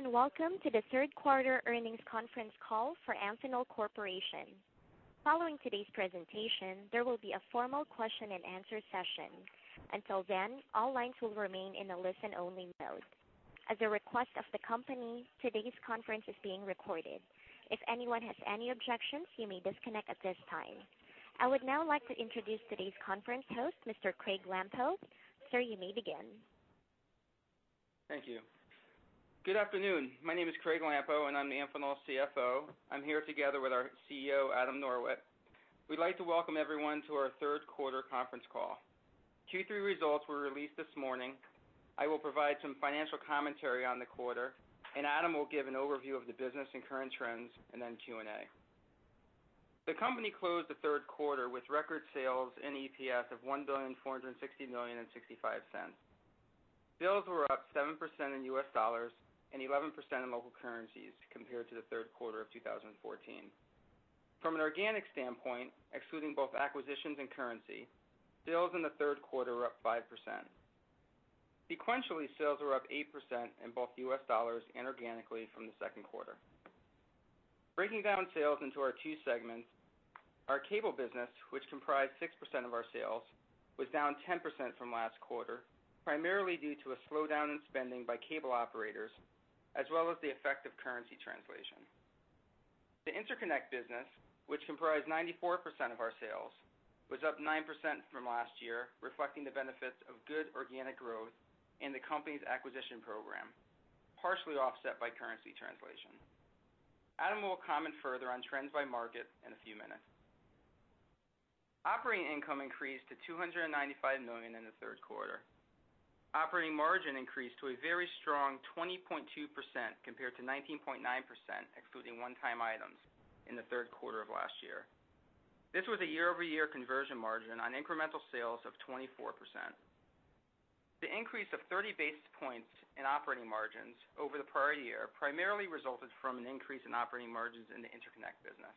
Hello, and welcome to the third quarter earnings conference call for Amphenol Corporation. Following today's presentation, there will be a formal question-and-answer session. Until then, all lines will remain in a listen-only mode. As a request of the company, today's conference is being recorded. If anyone has any objections, you may disconnect at this time. I would now like to introduce today's conference host, Mr. Craig Lampo. Sir, you may begin. Thank you. Good afternoon. My name is Craig Lampo, and I'm the Amphenol CFO. I'm here together with our CEO, Adam Norwitt. We'd like to welcome everyone to our third quarter conference call. Q3 results were released this morning. I will provide some financial commentary on the quarter, and Adam will give an overview of the business and current trends, and then Q&A. The company closed the third quarter with record sales and EPS of $1,460,000,000.65. Sales were up 7% in U.S. dollars and 11% in local currencies compared to the third quarter of 2014. From an organic standpoint, excluding both acquisitions and currency, sales in the third quarter were up 5%. Sequentially, sales were up 8% in both U.S. dollars and organically from the second quarter. Breaking down sales into our two segments, our cable business, which comprised 6% of our sales, was down 10% from last quarter, primarily due to a slowdown in spending by cable operators, as well as the effect of currency translation. The interconnect business, which comprised 94% of our sales, was up 9% from last year, reflecting the benefits of good organic growth and the company's acquisition program, partially offset by currency translation. Adam will comment further on trends by market in a few minutes. Operating income increased to $295 million in the third quarter. Operating margin increased to a very strong 20.2% compared to 19.9%, excluding one-time items, in the third quarter of last year. This was a year-over-year conversion margin on incremental sales of 24%. The increase of 30 basis points in operating margins over the prior year primarily resulted from an increase in operating margins in the interconnect business.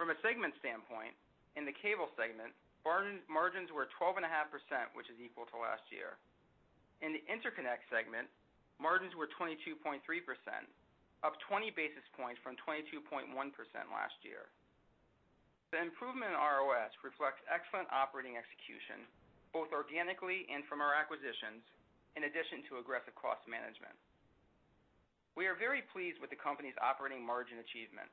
From a segment standpoint, in the cable segment, margins were 12.5%, which is equal to last year. In the interconnect segment, margins were 22.3%, up 20 basis points from 22.1% last year. The improvement in ROS reflects excellent operating execution, both organically and from our acquisitions, in addition to aggressive cost management. We are very pleased with the company's operating margin achievement.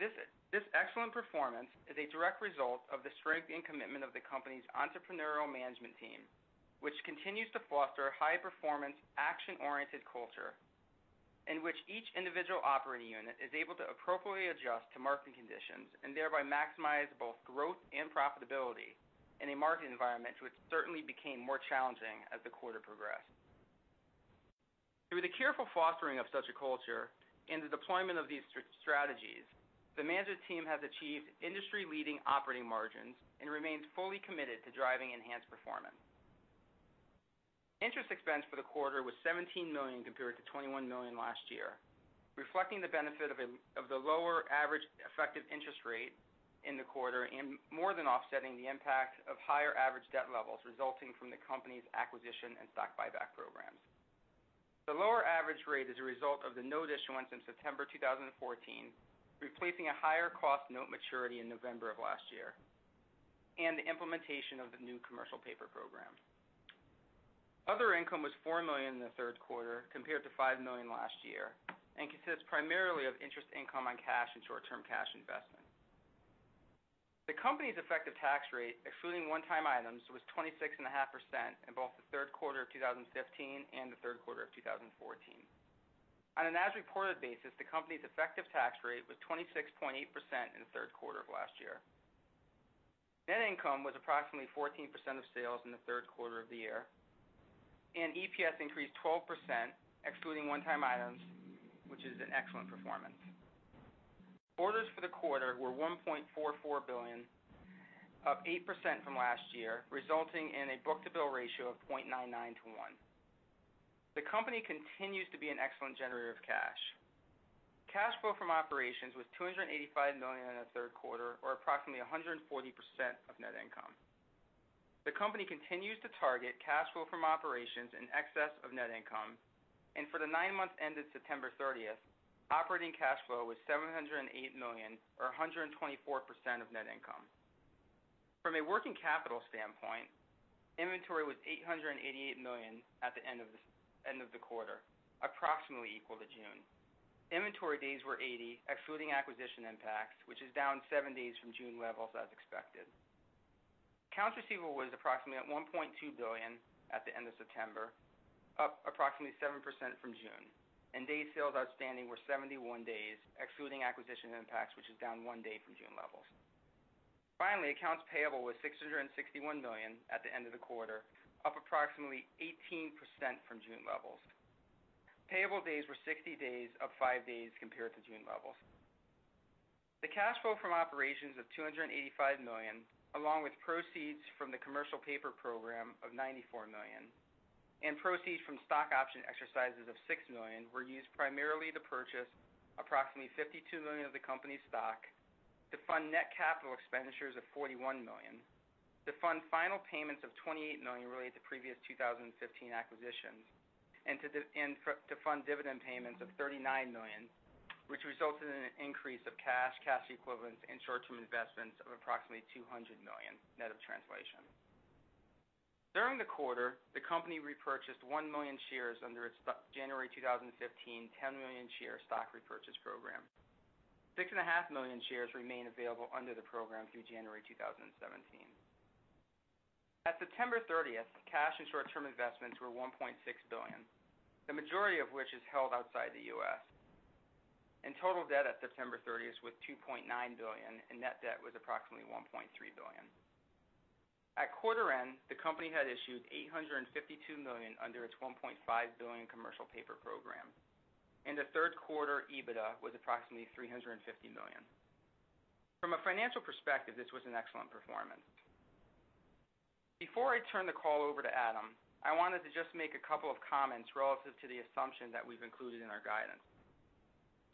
This excellent performance is a direct result of the strength and commitment of the company's entrepreneurial management team, which continues to foster a high-performance, action-oriented culture in which each individual operating unit is able to appropriately adjust to marketing conditions and thereby maximize both growth and profitability in a market environment which certainly became more challenging as the quarter progressed. Through the careful fostering of such a culture and the deployment of these strategies, the management team has achieved industry-leading operating margins and remains fully committed to driving enhanced performance. Interest expense for the quarter was $17 million compared to $21 million last year, reflecting the benefit of the lower average effective interest rate in the quarter and more than offsetting the impact of higher average debt levels resulting from the company's acquisition and stock buyback programs. The lower average rate is a result of the note issuance in September 2014, replacing a higher cost note maturity in November of last year, and the implementation of the new commercial paper program. Other income was $4 million in the third quarter compared to $5 million last year and consists primarily of interest income on cash and short-term cash investment. The company's effective tax rate, excluding one-time items, was 26.5% in both the third quarter of 2015 and the third quarter of 2014. On an as-reported basis, the company's effective tax rate was 26.8% in the third quarter of last year. Net income was approximately 14% of sales in the third quarter of the year, and EPS increased 12%, excluding one-time items, which is an excellent performance. Orders for the quarter were $1.44 billion, up 8% from last year, resulting in a book-to-bill ratio of 0.99 to 1. The company continues to be an excellent generator of cash. Cash flow from operations was $285 million in the third quarter, or approximately 140% of net income. The company continues to target cash flow from operations in excess of net income, and for the nine months ended September 30th, operating cash flow was $708 million, or 124% of net income. From a working capital standpoint, inventory was $888 million at the end of the quarter, approximately equal to June. Inventory days were 80, excluding acquisition impacts, which is down seven days from June levels as expected. Accounts receivable was approximately $1.2 billion at the end of September, up approximately 7% from June, and days sales outstanding were 71 days, excluding acquisition impacts, which is down one day from June levels. Finally, accounts payable was $661 million at the end of the quarter, up approximately 18% from June levels. Payable days were 60 days, up 5 days compared to June levels. The cash flow from operations of $285 million, along with proceeds from the commercial paper program of $94 million and proceeds from stock option exercises of $6 million, were used primarily to purchase approximately $52 million of the company's stock, to fund net capital expenditures of $41 million, to fund final payments of $28 million related to previous 2015 acquisitions, and to fund dividend payments of $39 million, which resulted in an increase of cash, cash equivalents, and short-term investments of approximately $200 million net of translation. During the quarter, the company repurchased 1 million shares under its January 2015 10 million share stock repurchase program. 6.5 million shares remain available under the program through January 2017. At September 30th, cash and short-term investments were $1.6 billion, the majority of which is held outside the U.S., and total debt at September 30th was $2.9 billion, and net debt was approximately $1.3 billion. At quarter end, the company had issued $852 million under its $1.5 billion commercial paper program, and the third quarter EBITDA was approximately $350 million. From a financial perspective, this was an excellent performance. Before I turn the call over to Adam, I wanted to just make a couple of comments relative to the assumption that we've included in our guidance.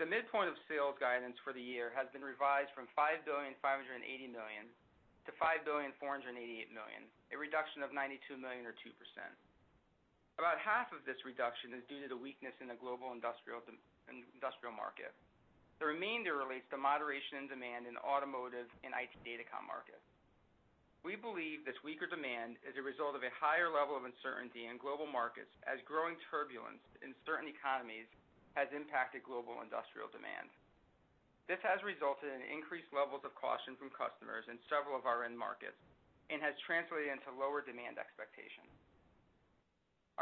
The midpoint of sales guidance for the year has been revised from $5,580,000,000-$5,488,000,000, a reduction of $92 million or 2%. About half of this reduction is due to the weakness in the global industrial market. The remainder relates to moderation in demand in the automotive and IT Datacom market. We believe this weaker demand is a result of a higher level of uncertainty in global markets, as growing turbulence in certain economies has impacted global industrial demand. This has resulted in increased levels of caution from customers in several of our end markets and has translated into lower demand expectations.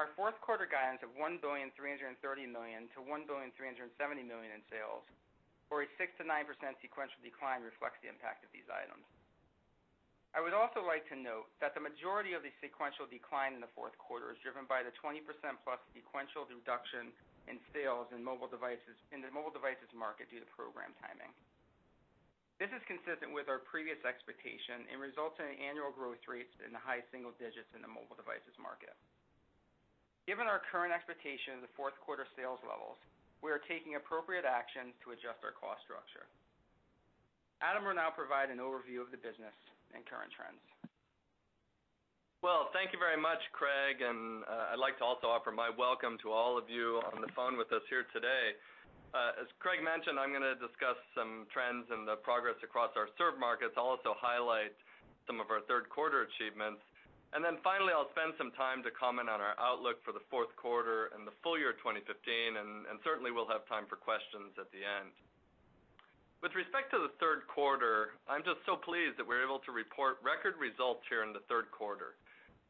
Our fourth quarter guidance of $1,330,000,000-$1,370,000,000 in sales, or a 6%-9% sequential decline, reflects the impact of these items. I would also like to note that the majority of the sequential decline in the fourth quarter is driven by the 20%+ sequential reduction in sales in the mobile devices market due to program timing. This is consistent with our previous expectation and results in annual growth rates in the high single digits in the mobile devices market. Given our current expectation of the fourth quarter sales levels, we are taking appropriate actions to adjust our cost structure. Adam will now provide an overview of the business and current trends. Well, thank you very much, Craig, and I'd like to also offer my welcome to all of you on the phone with us here today. As Craig mentioned, I'm going to discuss some trends and the progress across our served markets, also highlight some of our third quarter achievements. And then finally, I'll spend some time to comment on our outlook for the fourth quarter and the full year 2015, and certainly we'll have time for questions at the end. With respect to the third quarter, I'm just so pleased that we're able to report record results here in the third quarter,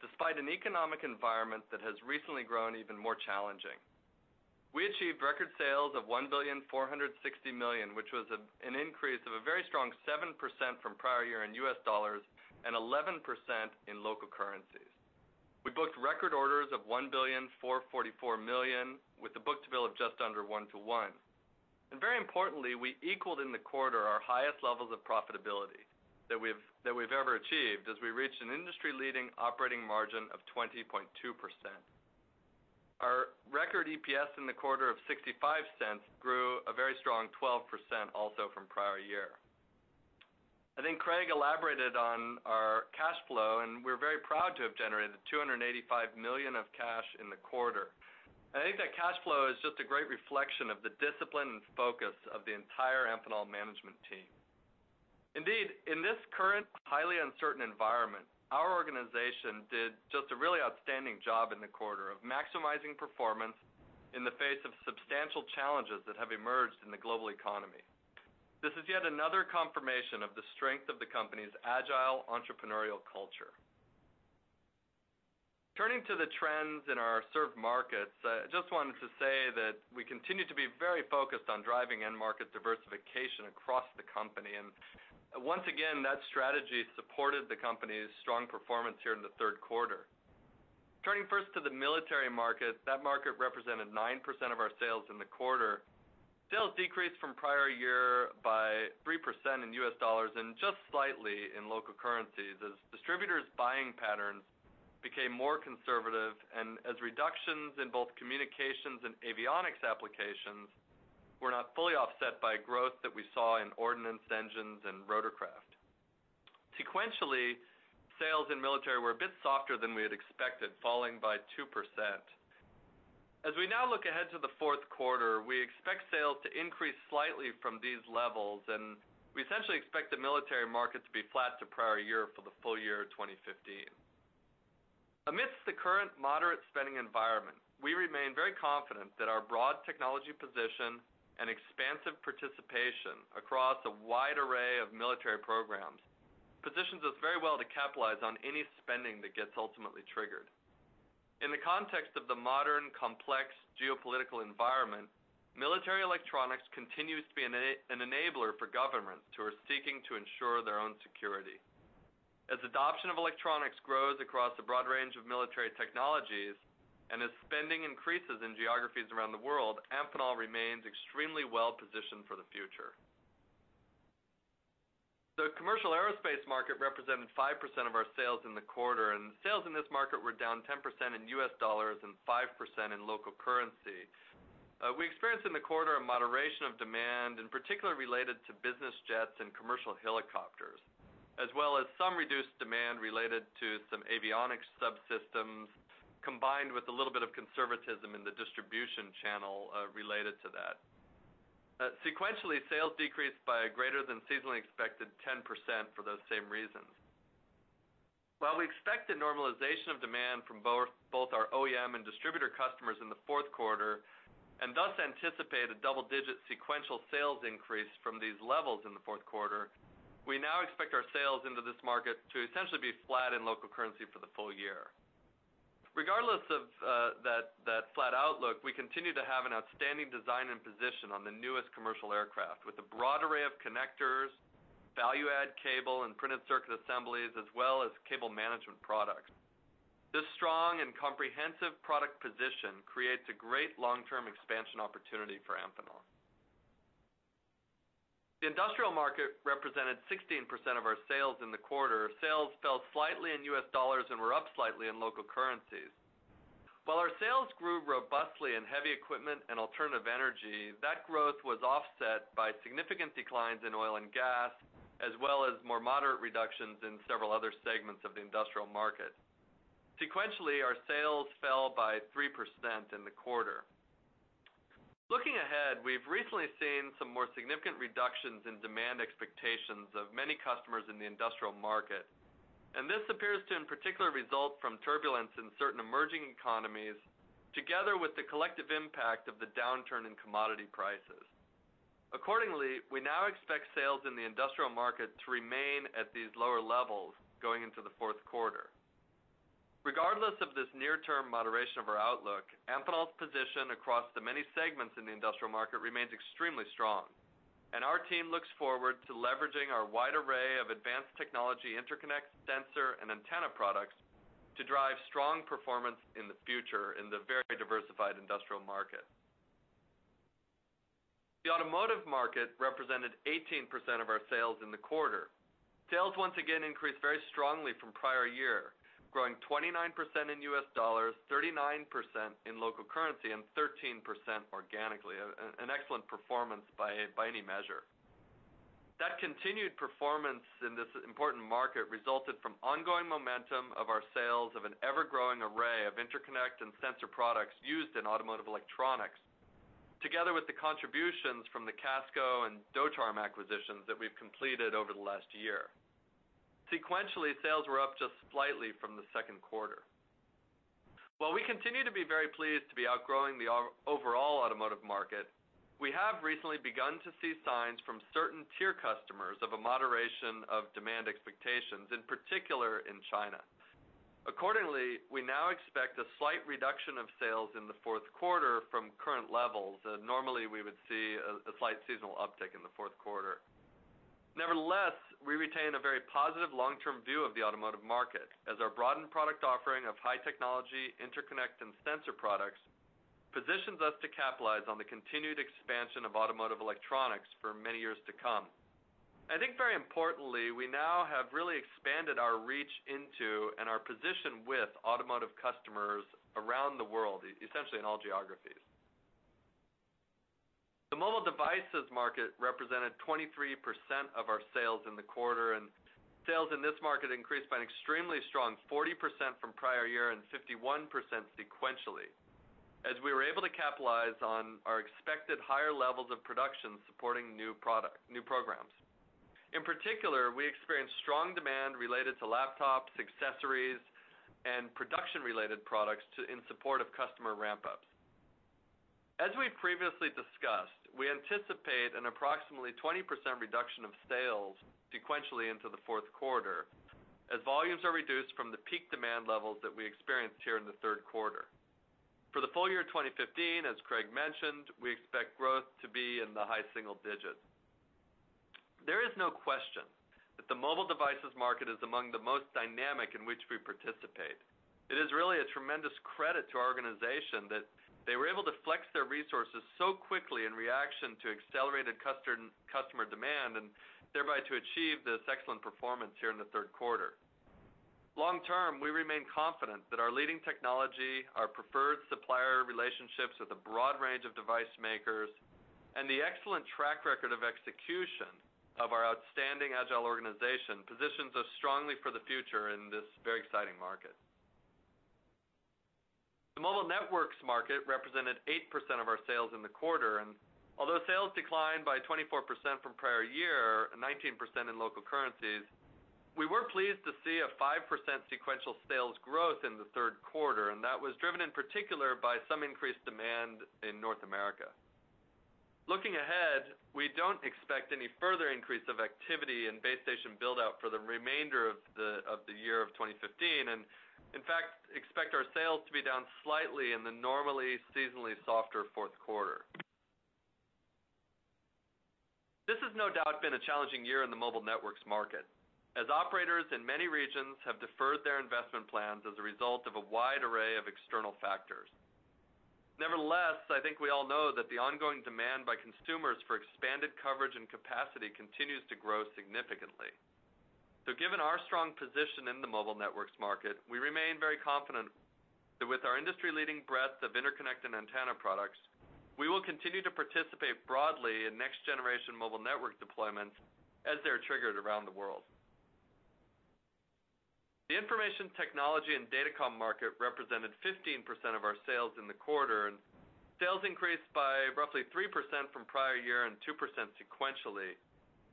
despite an economic environment that has recently grown even more challenging. We achieved record sales of $1,460,000,000, which was an increase of a very strong 7% from prior year in US dollars and 11% in local currencies. We booked record orders of $1,444,000,000, with the book-to-bill of just under 1 to 1. And very importantly, we equaled in the quarter our highest levels of profitability that we've ever achieved as we reached an industry-leading operating margin of 20.2%. Our record EPS in the quarter of $0.65 grew a very strong 12% also from prior year. I think Craig elaborated on our cash flow, and we're very proud to have generated $285 million of cash in the quarter. I think that cash flow is just a great reflection of the discipline and focus of the entire Amphenol management team. Indeed, in this current highly uncertain environment, our organization did just a really outstanding job in the quarter of maximizing performance in the face of substantial challenges that have emerged in the global economy. This is yet another confirmation of the strength of the company's agile entrepreneurial culture. Turning to the trends in our served markets, I just wanted to say that we continue to be very focused on driving end market diversification across the company, and once again, that strategy supported the company's strong performance here in the third quarter. Turning first to the military market, that market represented 9% of our sales in the quarter. Sales decreased from prior year by 3% in U.S. dollars and just slightly in local currencies as distributors' buying patterns became more conservative and as reductions in both communications and avionics applications were not fully offset by growth that we saw in ordnance engines and rotorcraft. Sequentially, sales in military were a bit softer than we had expected, falling by 2%. As we now look ahead to the fourth quarter, we expect sales to increase slightly from these levels, and we essentially expect the military market to be flat to prior year for the full year 2015. Amidst the current moderate spending environment, we remain very confident that our broad technology position and expansive participation across a wide array of military programs positions us very well to capitalize on any spending that gets ultimately triggered. In the context of the modern, complex geopolitical environment, military electronics continues to be an enabler for governments who are seeking to ensure their own security. As adoption of electronics grows across a broad range of military technologies and as spending increases in geographies around the world, Amphenol remains extremely well positioned for the future. The commercial aerospace market represented 5% of our sales in the quarter, and sales in this market were down 10% in U.S. dollars and 5% in local currency. We experienced in the quarter a moderation of demand, in particular related to business jets and commercial helicopters, as well as some reduced demand related to some avionics subsystems combined with a little bit of conservatism in the distribution channel related to that. Sequentially, sales decreased by greater than seasonally expected 10% for those same reasons. While we expect a normalization of demand from both our OEM and distributor customers in the fourth quarter and thus anticipate a double-digit sequential sales increase from these levels in the fourth quarter, we now expect our sales into this market to essentially be flat in local currency for the full year. Regardless of that flat outlook, we continue to have an outstanding design and position on the newest commercial aircraft with a broad array of connectors, value-add cable, and printed circuit assemblies, as well as cable management products. This strong and comprehensive product position creates a great long-term expansion opportunity for Amphenol. The industrial market represented 16% of our sales in the quarter. Sales fell slightly in U.S. dollars and were up slightly in local currencies. While our sales grew robustly in heavy equipment and alternative energy, that growth was offset by significant declines in oil and gas, as well as more moderate reductions in several other segments of the industrial market. Sequentially, our sales fell by 3% in the quarter. Looking ahead, we've recently seen some more significant reductions in demand expectations of many customers in the industrial market, and this appears to in particular result from turbulence in certain emerging economies together with the collective impact of the downturn in commodity prices. Accordingly, we now expect sales in the industrial market to remain at these lower levels going into the fourth quarter. Regardless of this near-term moderation of our outlook, Amphenol's position across the many segments in the industrial market remains extremely strong, and our team looks forward to leveraging our wide array of advanced technology interconnect, sensor, and antenna products to drive strong performance in the future in the very diversified industrial market. The automotive market represented 18% of our sales in the quarter. Sales once again increased very strongly from prior year, growing 29% in U.S. dollars, 39% in local currency, and 13% organically, an excellent performance by any measure. That continued performance in this important market resulted from ongoing momentum of our sales of an ever-growing array of interconnect and sensor products used in automotive electronics, together with the contributions from the Casco and Doucha acquisitions that we've completed over the last year. Sequentially, sales were up just slightly from the second quarter. While we continue to be very pleased to be outgrowing the overall automotive market, we have recently begun to see signs from certain tier customers of a moderation of demand expectations, in particular in China. Accordingly, we now expect a slight reduction of sales in the fourth quarter from current levels, and normally we would see a slight seasonal uptick in the fourth quarter. Nevertheless, we retain a very positive long-term view of the automotive market, as our broadened product offering of high technology interconnect and sensor products positions us to capitalize on the continued expansion of automotive electronics for many years to come. I think very importantly, we now have really expanded our reach into and our position with automotive customers around the world, essentially in all geographies. The mobile devices market represented 23% of our sales in the quarter, and sales in this market increased by an extremely strong 40% from prior year and 51% sequentially, as we were able to capitalize on our expected higher levels of production supporting new programs. In particular, we experienced strong demand related to laptops, accessories, and production-related products in support of customer ramp-ups. As we previously discussed, we anticipate an approximately 20% reduction of sales sequentially into the fourth quarter, as volumes are reduced from the peak demand levels that we experienced here in the third quarter. For the full year 2015, as Craig mentioned, we expect growth to be in the high single digits. There is no question that the mobile devices market is among the most dynamic in which we participate. It is really a tremendous credit to our organization that they were able to flex their resources so quickly in reaction to accelerated customer demand and thereby to achieve this excellent performance here in the third quarter. Long-term, we remain confident that our leading technology, our preferred supplier relationships with a broad range of device makers, and the excellent track record of execution of our outstanding agile organization positions us strongly for the future in this very exciting market. The mobile networks market represented 8% of our sales in the quarter, and although sales declined by 24% from prior year and 19% in local currencies, we were pleased to see a 5% sequential sales growth in the third quarter, and that was driven in particular by some increased demand in North America. Looking ahead, we don't expect any further increase of activity in base station build-out for the remainder of the year of 2015, and in fact, expect our sales to be down slightly in the normally seasonally softer fourth quarter. This has no doubt been a challenging year in the mobile networks market, as operators in many regions have deferred their investment plans as a result of a wide array of external factors. Nevertheless, I think we all know that the ongoing demand by consumers for expanded coverage and capacity continues to grow significantly. So given our strong position in the mobile networks market, we remain very confident that with our industry-leading breadth of interconnect and antenna products, we will continue to participate broadly in next-generation mobile network deployments as they are triggered around the world. The information technology and data comm market represented 15% of our sales in the quarter, and sales increased by roughly 3% from prior year and 2% sequentially,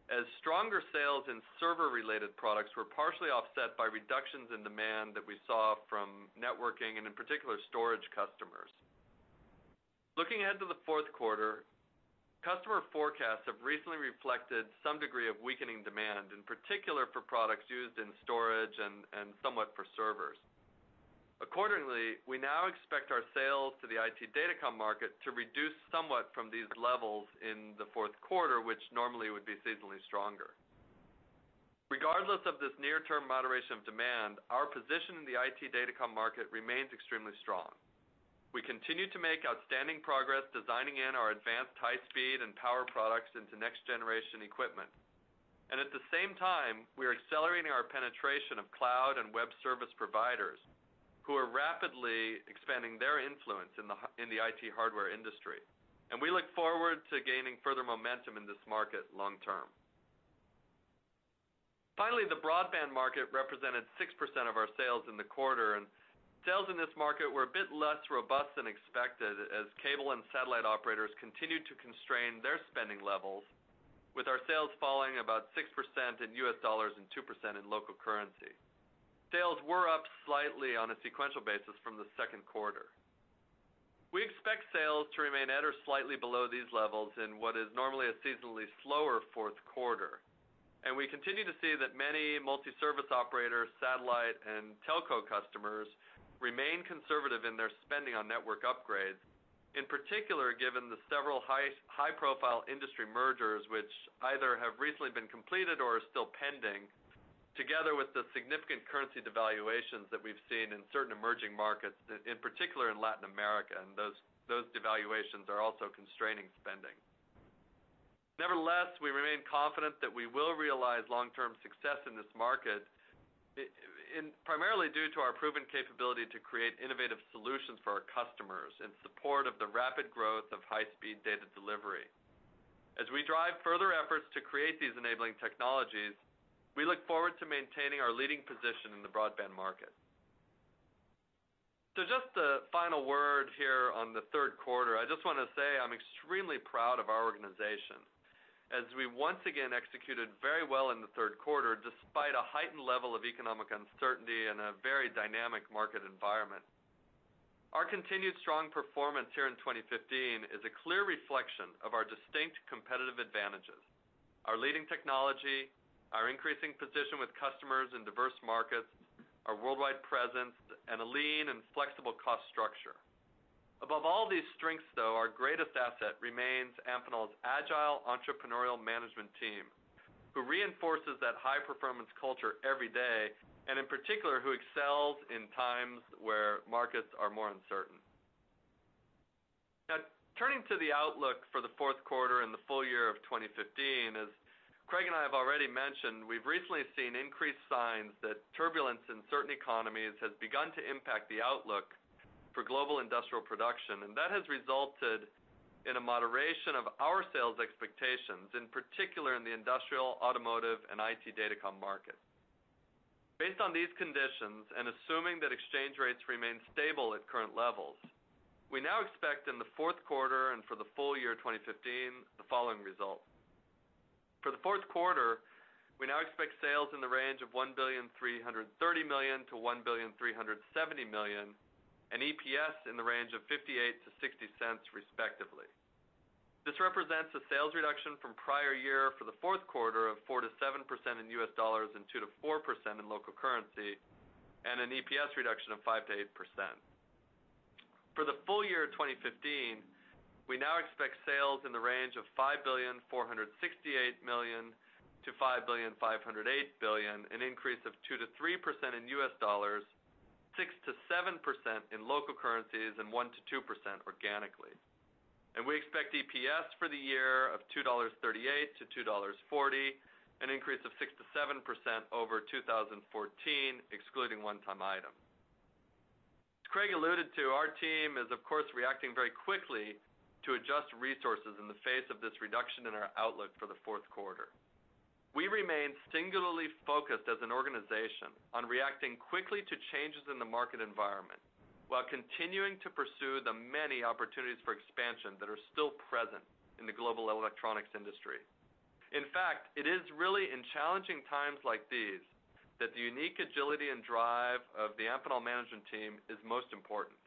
as stronger sales in server-related products were partially offset by reductions in demand that we saw from networking and in particular storage customers. Looking ahead to the fourth quarter, customer forecasts have recently reflected some degree of weakening demand, in particular for products used in storage and somewhat for servers. Accordingly, we now expect our sales to the IT DataCom market to reduce somewhat from these levels in the fourth quarter, which normally would be seasonally stronger. Regardless of this near-term moderation of demand, our position in the IT DataCom market remains extremely strong. We continue to make outstanding progress designing in our advanced high-speed and power products into next-generation equipment, and at the same time, we are accelerating our penetration of cloud and web service providers who are rapidly expanding their influence in the IT hardware industry, and we look forward to gaining further momentum in this market long-term. Finally, the broadband market represented 6% of our sales in the quarter, and sales in this market were a bit less robust than expected, as cable and satellite operators continued to constrain their spending levels, with our sales falling about 6% in U.S. dollars and 2% in local currency. Sales were up slightly on a sequential basis from the second quarter. We expect sales to remain at or slightly below these levels in what is normally a seasonally slower fourth quarter, and we continue to see that many multi-service operators, satellite, and telco customers remain conservative in their spending on network upgrades, in particular given the several high-profile industry mergers which either have recently been completed or are still pending, together with the significant currency devaluations that we've seen in certain emerging markets, in particular in Latin America, and those devaluations are also constraining spending. Nevertheless, we remain confident that we will realize long-term success in this market primarily due to our proven capability to create innovative solutions for our customers in support of the rapid growth of high-speed data delivery. As we drive further efforts to create these enabling technologies, we look forward to maintaining our leading position in the broadband market. Just the final word here on the third quarter, I just want to say I'm extremely proud of our organization, as we once again executed very well in the third quarter despite a heightened level of economic uncertainty and a very dynamic market environment. Our continued strong performance here in 2015 is a clear reflection of our distinct competitive advantages: our leading technology, our increasing position with customers in diverse markets, our worldwide presence, and a lean and flexible cost structure. Above all these strengths, though, our greatest asset remains Amphenol's agile entrepreneurial management team, who reinforces that high-performance culture every day, and in particular, who excels in times where markets are more uncertain. Now, turning to the outlook for the fourth quarter in the full year of 2015, as Craig and I have already mentioned, we've recently seen increased signs that turbulence in certain economies has begun to impact the outlook for global industrial production, and that has resulted in a moderation of our sales expectations, in particular in the industrial, automotive, and IT DataCom markets. Based on these conditions and assuming that exchange rates remain stable at current levels, we now expect in the fourth quarter and for the full year 2015 the following results. For the fourth quarter, we now expect sales in the range of $1,330,000,000-$1,370,000,000, and EPS in the range of $0.58-$0.60, respectively. This represents a sales reduction from prior year for the fourth quarter of 4%-7% in U.S. dollars and 2%-4% in local currency, and an EPS reduction of 5%-8%. For the full year 2015, we now expect sales in the range of $5,468,000,000-$5,508,000,000, an increase of 2%-3% in U.S. dollars, 6%-7% in local currencies, and 1%-2% organically. We expect EPS for the year of $2.38-$2.40, an increase of 6%-7% over 2014, excluding one-time items. As Craig alluded to, our team is, of course, reacting very quickly to adjust resources in the face of this reduction in our outlook for the fourth quarter. We remain singularly focused as an organization on reacting quickly to changes in the market environment while continuing to pursue the many opportunities for expansion that are still present in the global electronics industry. In fact, it is really in challenging times like these that the unique agility and drive of the Amphenol management team is most important.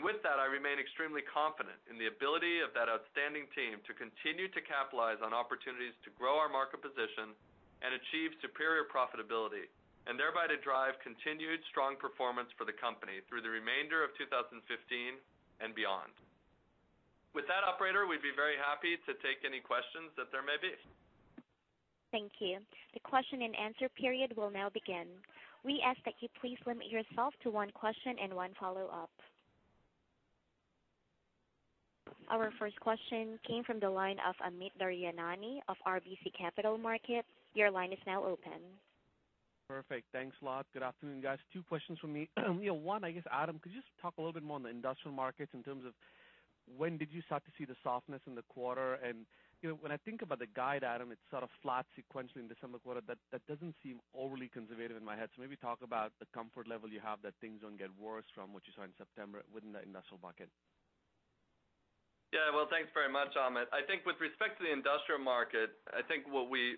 With that, I remain extremely confident in the ability of that outstanding team to continue to capitalize on opportunities to grow our market position and achieve superior profitability, and thereby to drive continued strong performance for the company through the remainder of 2015 and beyond. With that, Operator, we'd be very happy to take any questions that there may be. Thank you. The question and answer period will now begin. We ask that you please limit yourself to one question and one follow-up. Our first question came from the line of Amit Daryanani of RBC Capital Markets. Your line is now open. Perfect. Thanks a lot. Good afternoon, guys. Two questions for me. One, I guess, Adam, could you just talk a little bit more on the industrial markets in terms of when did you start to see the softness in the quarter? And when I think about the guide, Adam, it's sort of flat sequentially in December quarter. That doesn't seem overly conservative in my head. So maybe talk about the comfort level you have that things don't get worse from what you saw in September within the industrial market. Yeah. Well, thanks very much, Amit. I think with respect to the industrial market, I think what we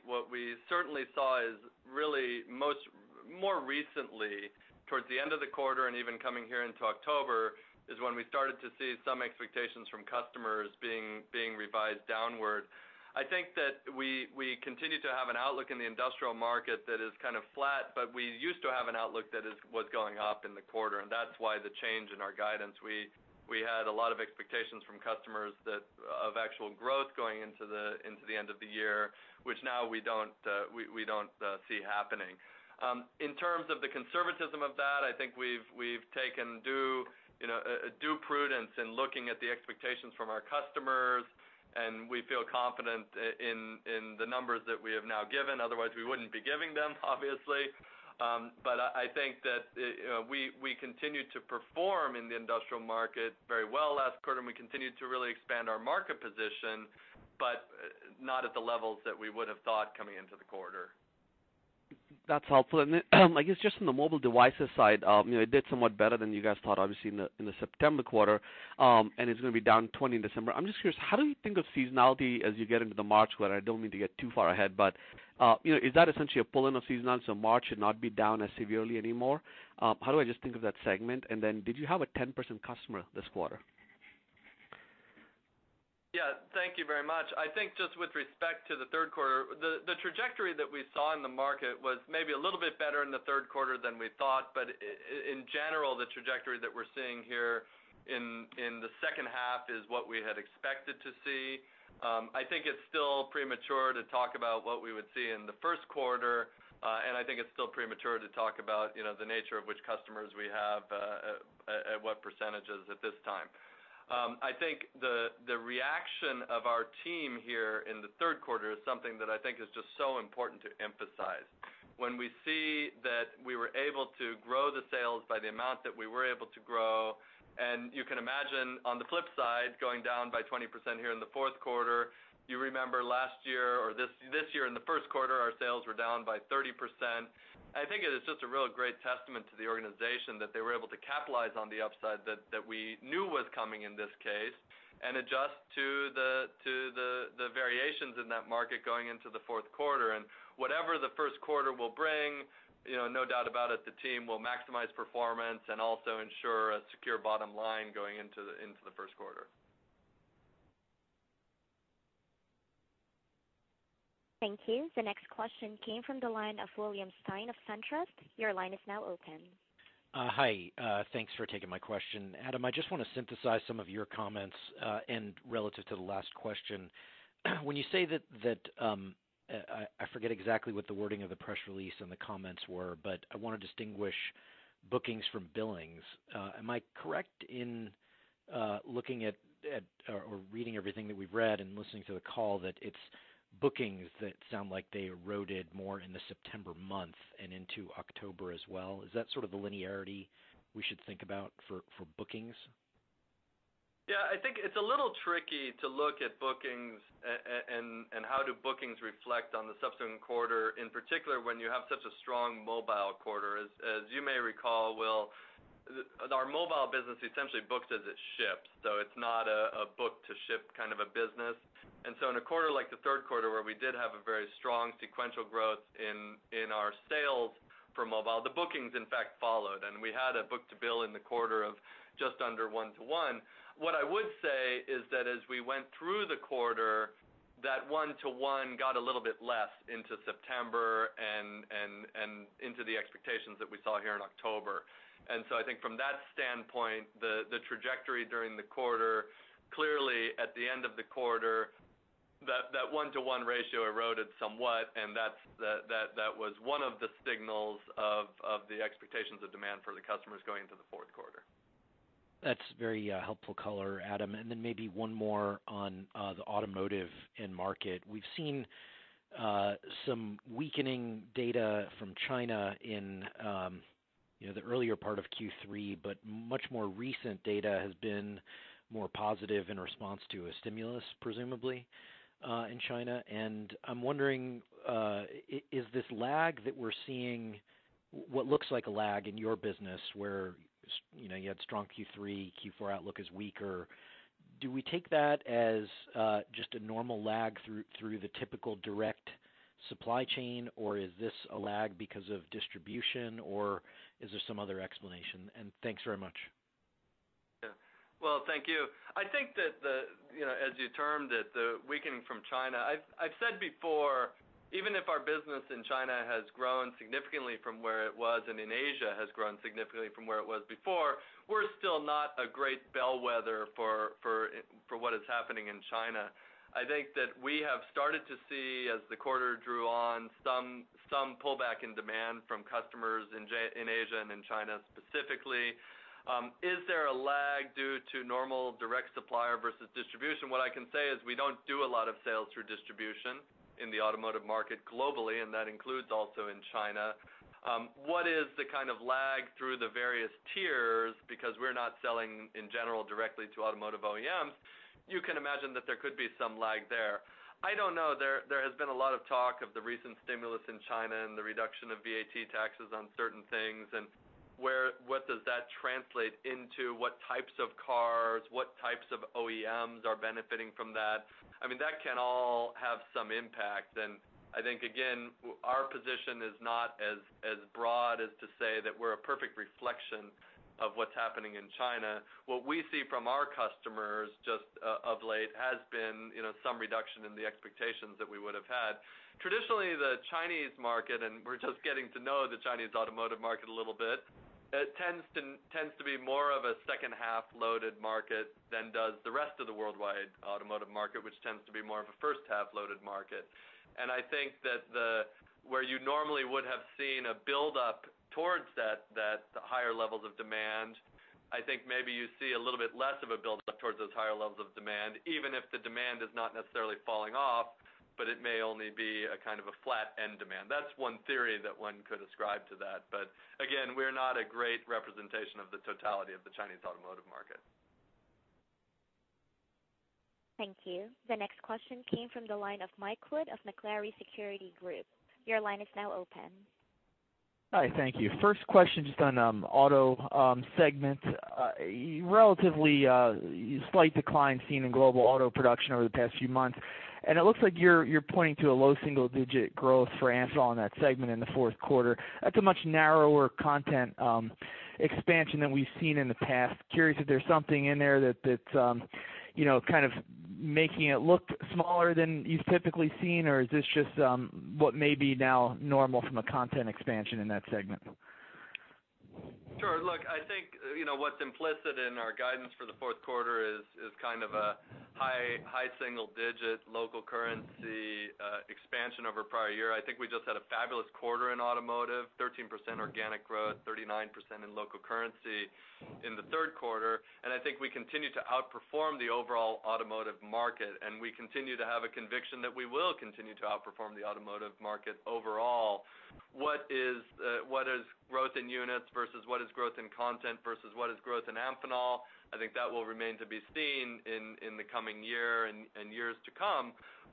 certainly saw is really more recently, towards the end of the quarter and even coming here into October, is when we started to see some expectations from customers being revised downward. I think that we continue to have an outlook in the industrial market that is kind of flat, but we used to have an outlook that was going up in the quarter, and that's why the change in our guidance. We had a lot of expectations from customers of actual growth going into the end of the year, which now we don't see happening. In terms of the conservatism of that, I think we've taken due prudence in looking at the expectations from our customers, and we feel confident in the numbers that we have now given. Otherwise, we wouldn't be giving them, obviously. But I think that we continued to perform in the industrial market very well last quarter, and we continued to really expand our market position, but not at the levels that we would have thought coming into the quarter. That's helpful. And I guess just on the mobile devices side, it did somewhat better than you guys thought, obviously, in the September quarter, and it's going to be down 20% in December. I'm just curious, how do you think of seasonality as you get into the March quarter? I don't mean to get too far ahead, but is that essentially a pulling of seasonality? So March should not be down as severely anymore. How do I just think of that segment? And then did you have a 10% customer this quarter? Yeah. Thank you very much. I think just with respect to the third quarter, the trajectory that we saw in the market was maybe a little bit better in the third quarter than we thought, but in general, the trajectory that we're seeing here in the second half is what we had expected to see. I think it's still premature to talk about what we would see in the first quarter, and I think it's still premature to talk about the nature of which customers we have at what percentages at this time. I think the reaction of our team here in the third quarter is something that I think is just so important to emphasize. When we see that we were able to grow the sales by the amount that we were able to grow, and you can imagine on the flip side, going down by 20% here in the fourth quarter, you remember last year or this year in the first quarter, our sales were down by 30%. I think it is just a real great testament to the organization that they were able to capitalize on the upside that we knew was coming in this case and adjust to the variations in that market going into the fourth quarter. And whatever the first quarter will bring, no doubt about it, the team will maximize performance and also ensure a secure bottom line going into the first quarter. Thank you. The next question came from the line of William Stein of SunTrust. Your line is now open. Hi. Thanks for taking my question. Adam, I just want to synthesize some of your comments relative to the last question. When you say that, I forget exactly what the wording of the press release and the comments were, but I want to distinguish bookings from billings. Am I correct in looking at or reading everything that we've read and listening to the call that it's bookings that sound like they eroded more in the September month and into October as well? Is that sort of the linearity we should think about for bookings? Yeah. I think it's a little tricky to look at bookings and how do bookings reflect on the subsequent quarter, in particular when you have such a strong mobile quarter. As you may recall, Will, our mobile business essentially books as it ships, so it's not a book-to-ship kind of a business. So in a quarter like the third quarter, where we did have a very strong sequential growth in our sales for mobile, the bookings, in fact, followed, and we had a book-to-bill in the quarter of just under 1:1. What I would say is that as we went through the quarter, that 1:1 got a little bit less into September and into the expectations that we saw here in October. And so I think from that standpoint, the trajectory during the quarter, clearly at the end of the quarter, that 1:1 ratio eroded somewhat, and that was one of the signals of the expectations of demand for the customers going into the fourth quarter. That's very helpful color, Adam. And then maybe one more on the automotive and market. We've seen some weakening data from China in the earlier part of Q3, but much more recent data has been more positive in response to a stimulus, presumably, in China. And I'm wondering, is this lag that we're seeing what looks like a lag in your business, where you had strong Q3-Q4 outlook is weaker, do we take that as just a normal lag through the typical direct supply chain, or is this a lag because of distribution, or is there some other explanation? And thanks very much. Yeah. Well, thank you. I think that, as you termed it, the weakening from China. I've said before, even if our business in China has grown significantly from where it was and in Asia has grown significantly from where it was before, we're still not a great bellwether for what is happening in China. I think that we have started to see, as the quarter drew on, some pullback in demand from customers in Asia and in China specifically. Is there a lag due to normal direct supplier versus distribution? What I can say is we don't do a lot of sales through distribution in the automotive market globally, and that includes also in China. What is the kind of lag through the various tiers? Because we're not selling in general directly to automotive OEMs, you can imagine that there could be some lag there. I don't know. There has been a lot of talk of the recent stimulus in China and the reduction of VAT taxes on certain things, and what does that translate into? What types of cars? What types of OEMs are benefiting from that? I mean, that can all have some impact. And I think, again, our position is not as broad as to say that we're a perfect reflection of what's happening in China. What we see from our customers just of late has been some reduction in the expectations that we would have had. Traditionally, the Chinese market, and we're just getting to know the Chinese automotive market a little bit, tends to be more of a second-half loaded market than does the rest of the worldwide automotive market, which tends to be more of a first-half loaded market. And I think that where you normally would have seen a buildup towards that, the higher levels of demand, I think maybe you see a little bit less of a buildup towards those higher levels of demand, even if the demand is not necessarily falling off, but it may only be a kind of a flat end demand. That's one theory that one could ascribe to that. But again, we're not a great representation of the totality of the Chinese automotive market. Thank you. The next question came from the line of Mike Wood of Macquarie. Your line is now open. Hi. Thank you. First question just on auto segment. Relatively slight decline seen in global auto production over the past few months. And it looks like you're pointing to a low single-digit growth for Amphenol in that segment in the fourth quarter. That's a much narrower content expansion than we've seen in the past. Curious if there's something in there that's kind of making it look smaller than you've typically seen, or is this just what may be now normal from a content expansion in that segment? Sure. Look, I think what's implicit in our guidance for the fourth quarter is kind of a high single-digit local currency expansion over prior year. I think we just had a fabulous quarter in automotive: 13% organic growth, 39% in local currency in the third quarter. And I think we continue to outperform the overall automotive market, and we continue to have a conviction that we will continue to outperform the automotive market overall. What is growth in units versus what is growth in content versus what is growth in Amphenol? I think that will remain to be seen in the coming year and years to come.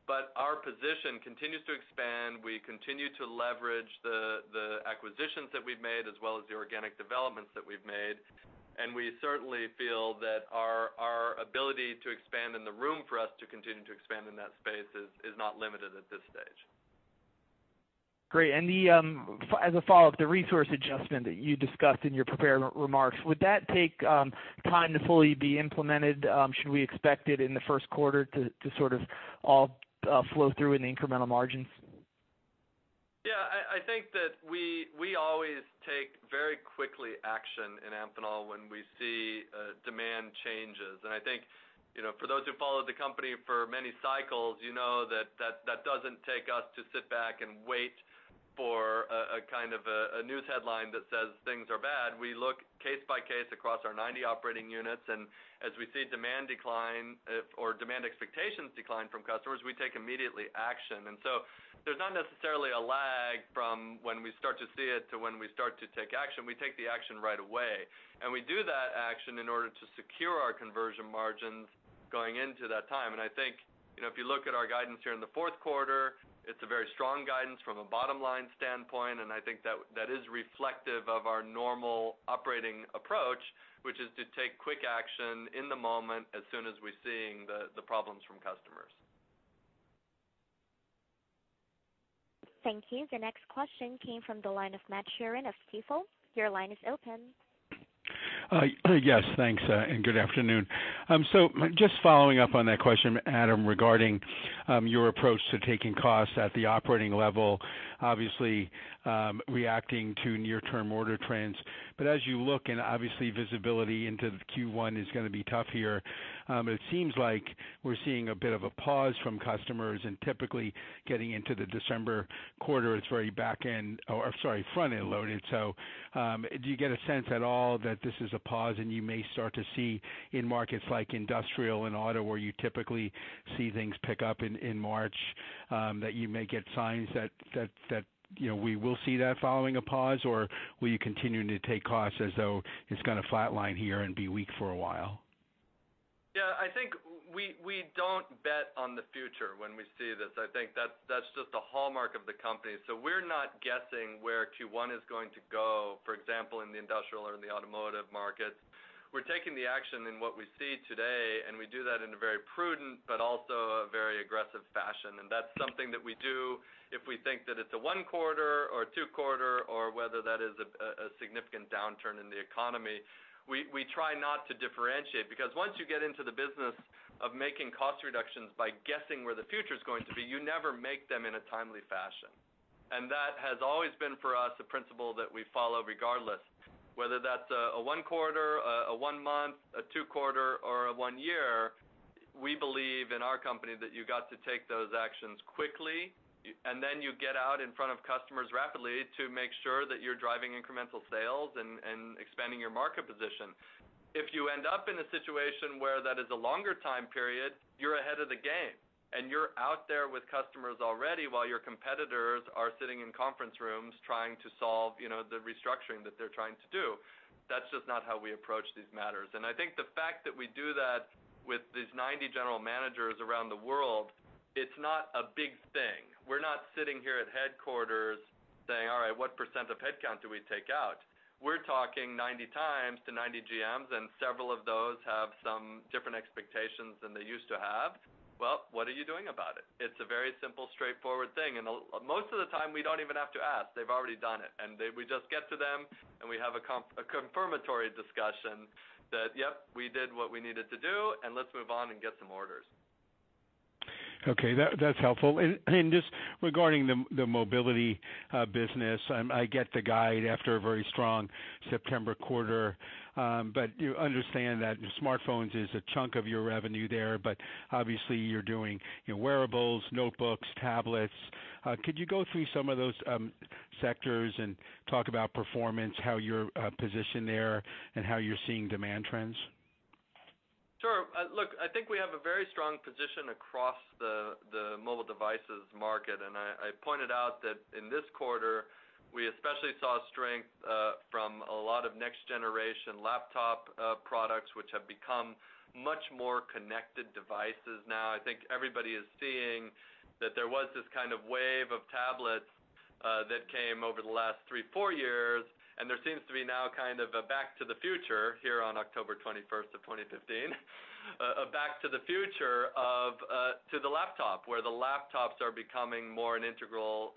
But our position continues to expand. We continue to leverage the acquisitions that we've made as well as the organic developments that we've made. We certainly feel that our ability to expand and the room for us to continue to expand in that space is not limited at this stage. Great. And as a follow-up, the resource adjustment that you discussed in your prepared remarks, would that take time to fully be implemented? Should we expect it in the first quarter to sort of all flow through in incremental margins? Yeah. I think that we always take very quickly action in Amphenol when we see demand changes. And I think for those who followed the company for many cycles, you know that that doesn't take us to sit back and wait for a kind of a news headline that says things are bad. We look case by case across our 90 operating units, and as we see demand decline or demand expectations decline from customers, we take immediately action. So there's not necessarily a lag from when we start to see it to when we start to take action. We take the action right away. And we do that action in order to secure our conversion margins going into that time. And I think if you look at our guidance here in the fourth quarter, it's a very strong guidance from a bottom-line standpoint, and I think that is reflective of our normal operating approach, which is to take quick action in the moment as soon as we're seeing the problems from customers. Thank you. The next question came from the line of Matt Sheerin of Stifel. Your line is open. Yes. Thanks, and good afternoon. So just following up on that question, Adam, regarding your approach to taking costs at the operating level, obviously reacting to near-term order trends. But as you look, and obviously visibility into Q1 is going to be tough here, it seems like we're seeing a bit of a pause from customers. And typically, getting into the December quarter, it's very back-end or, sorry, front-end loaded. So do you get a sense at all that this is a pause and you may start to see in markets like industrial and auto, where you typically see things pick up in March, that you may get signs that we will see that following a pause? Or will you continue to take costs as though it's going to flatline here and be weak for a while? Yeah. I think we don't bet on the future when we see this. I think that's just a hallmark of the company. So we're not guessing where Q1 is going to go, for example, in the industrial or in the automotive markets. We're taking the action in what we see today, and we do that in a very prudent but also a very aggressive fashion. And that's something that we do if we think that it's a one-quarter or a two-quarter or whether that is a significant downturn in the economy. We try not to differentiate because once you get into the business of making cost reductions by guessing where the future is going to be, you never make them in a timely fashion. And that has always been for us a principle that we follow regardless. Whether that's a one-quarter, a 1-month, a two-quarter, or a 1 year, we believe in our company that you got to take those actions quickly, and then you get out in front of customers rapidly to make sure that you're driving incremental sales and expanding your market position. If you end up in a situation where that is a longer time period, you're ahead of the game, and you're out there with customers already while your competitors are sitting in conference rooms trying to solve the restructuring that they're trying to do. That's just not how we approach these matters. And I think the fact that we do that with these 90 general managers around the world, it's not a big thing. We're not sitting here at headquarters saying, "All right, what percent of headcount do we take out?" We're talking 90 times to 90 GMs, and several of those have some different expectations than they used to have. Well, what are you doing about it? It's a very simple, straightforward thing. And most of the time, we don't even have to ask. They've already done it. And we just get to them, and we have a confirmatory discussion that, "Yep, we did what we needed to do, and let's move on and get some orders. Okay. That's helpful. And just regarding the mobility business, I get the guide after a very strong September quarter. But you understand that smartphones is a chunk of your revenue there, but obviously, you're doing wearables, notebooks, tablets. Could you go through some of those sectors and talk about performance, how you're positioned there, and how you're seeing demand trends? Sure. Look, I think we have a very strong position across the mobile devices market. And I pointed out that in this quarter, we especially saw strength from a lot of next-generation laptop products, which have become much more connected devices now. I think everybody is seeing that there was this kind of wave of tablets that came over the last 3-4 years. And there seems to be now kind of a back to the future here on October 21st of 2015, a back to the future to the laptop, where the laptops are becoming more an integral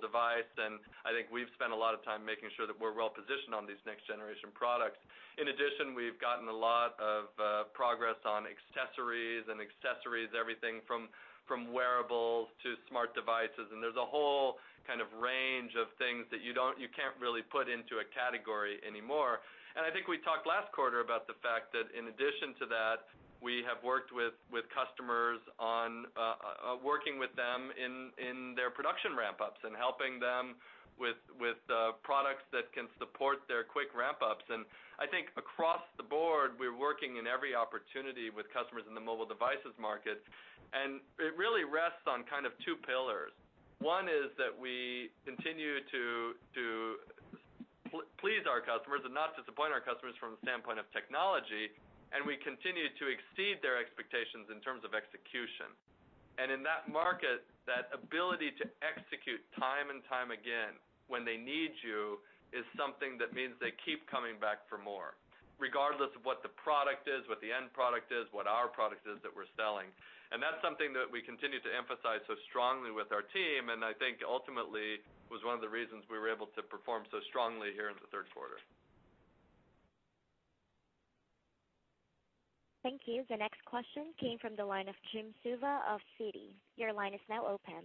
device. And I think we've spent a lot of time making sure that we're well-positioned on these next-generation products. In addition, we've gotten a lot of progress on accessories and accessories, everything from wearables to smart devices. And there's a whole kind of range of things that you can't really put into a category anymore. And I think we talked last quarter about the fact that in addition to that, we have worked with customers on working with them in their production ramp-ups and helping them with products that can support their quick ramp-ups. And I think across the board, we're working in every opportunity with customers in the mobile devices market. And it really rests on kind of 2 pillars. One is that we continue to please our customers and not disappoint our customers from the standpoint of technology, and we continue to exceed their expectations in terms of execution. And in that market, that ability to execute time and time again when they need you is something that means they keep coming back for more, regardless of what the product is, what the end product is, what our product is that we're selling. And that's something that we continue to emphasize so strongly with our team. And I think ultimately was one of the reasons we were able to perform so strongly here in the third quarter. Thank you. The next question came from the line of Jim Suva of Citi. Your line is now open.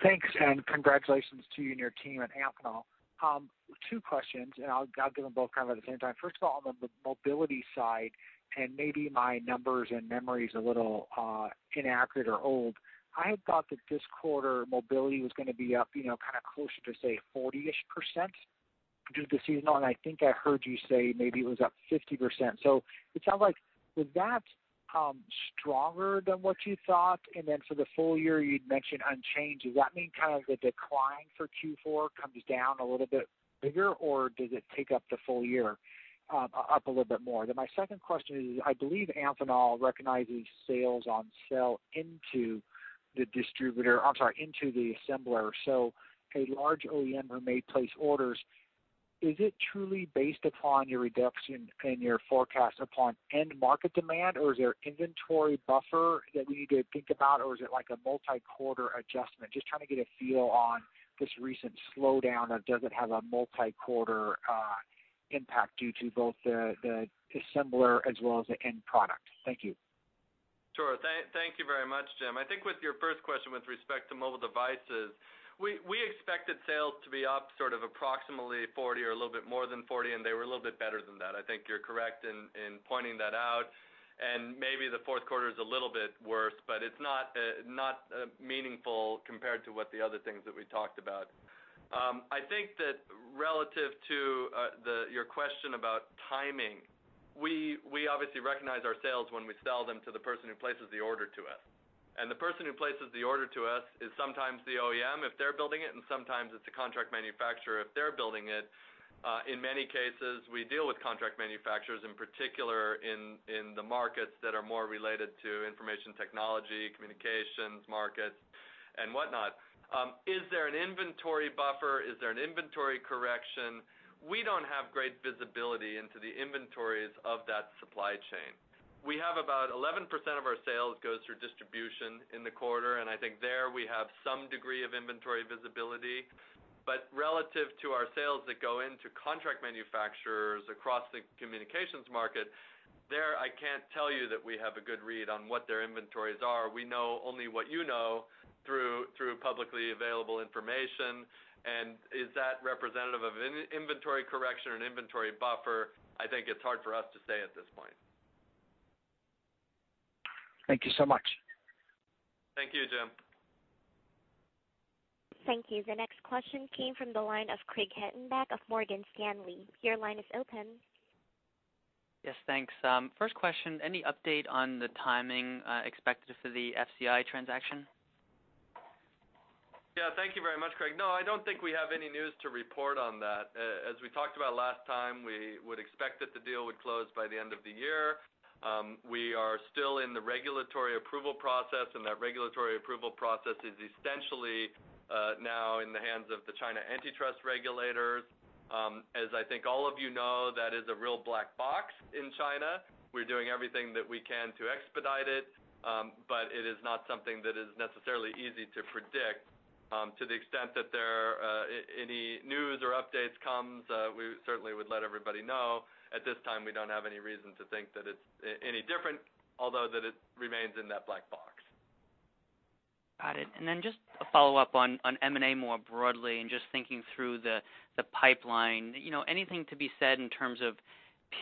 Thanks. And congratulations to you and your team at Amphenol. 2 questions, and I'll give them both kind of at the same time. First of all, on the mobility side, and maybe my numbers and memory is a little inaccurate or old, I had thought that this quarter mobility was going to be up kind of closer to, say, 40-ish% due to the seasonal one. I think I heard you say maybe it was up 50%. So it sounds like was that stronger than what you thought? And then for the full year, you'd mentioned unchanged. Does that mean kind of the decline for Q4 comes down a little bit bigger, or does it take up the full year up a little bit more? Then my second question is, I believe Amphenol recognizes sales on sale into the distributor, I'm sorry, into the assembler. So a large OEM who may place orders, is it truly based upon your reduction in your forecast upon end market demand, or is there an inventory buffer that we need to think about, or is it like a multi-quarter adjustment? Just trying to get a feel on this recent slowdown of does it have a multi-quarter impact due to both the assembler as well as the end product. Thank you. Sure. Thank you very much, Jim. I think with your first question with respect to mobile devices, we expected sales to be up sort of approximately 40 or a little bit more than 40, and they were a little bit better than that. I think you're correct in pointing that out. Maybe the fourth quarter is a little bit worse, but it's not meaningful compared to what the other things that we talked about. I think that relative to your question about timing, we obviously recognize our sales when we sell them to the person who places the order to us. The person who places the order to us is sometimes the OEM if they're building it, and sometimes it's a contract manufacturer if they're building it. In many cases, we deal with contract manufacturers, in particular in the markets that are more related to information technology, communications markets, and whatnot. Is there an inventory buffer? Is there an inventory correction? We don't have great visibility into the inventories of that supply chain. We have about 11% of our sales go through distribution in the quarter, and I think there we have some degree of inventory visibility. But relative to our sales that go into contract manufacturers across the communications market, there I can't tell you that we have a good read on what their inventories are. We know only what you know through publicly available information. And is that representative of an inventory correction or an inventory buffer? I think it's hard for us to say at this point. Thank you so much. Thank you, Jim. Thank you. The next question came from the line of Craig Hettenbach of Morgan Stanley. Your line is open. Yes. Thanks. First question, any update on the timing expected for the FCI transaction? Yeah. Thank you very much, Craig. No, I don't think we have any news to report on that. As we talked about last time, we would expect that the deal would close by the end of the year. We are still in the regulatory approval process, and that regulatory approval process is essentially now in the hands of the China antitrust regulators. As I think all of you know, that is a real black box in China. We're doing everything that we can to expedite it, but it is not something that is necessarily easy to predict. To the extent that there are any news or updates coming, we certainly would let everybody know. At this time, we don't have any reason to think that it's any different, although that it remains in that black box. Got it. Then just a follow-up on M&A more broadly and just thinking through the pipeline. Anything to be said in terms of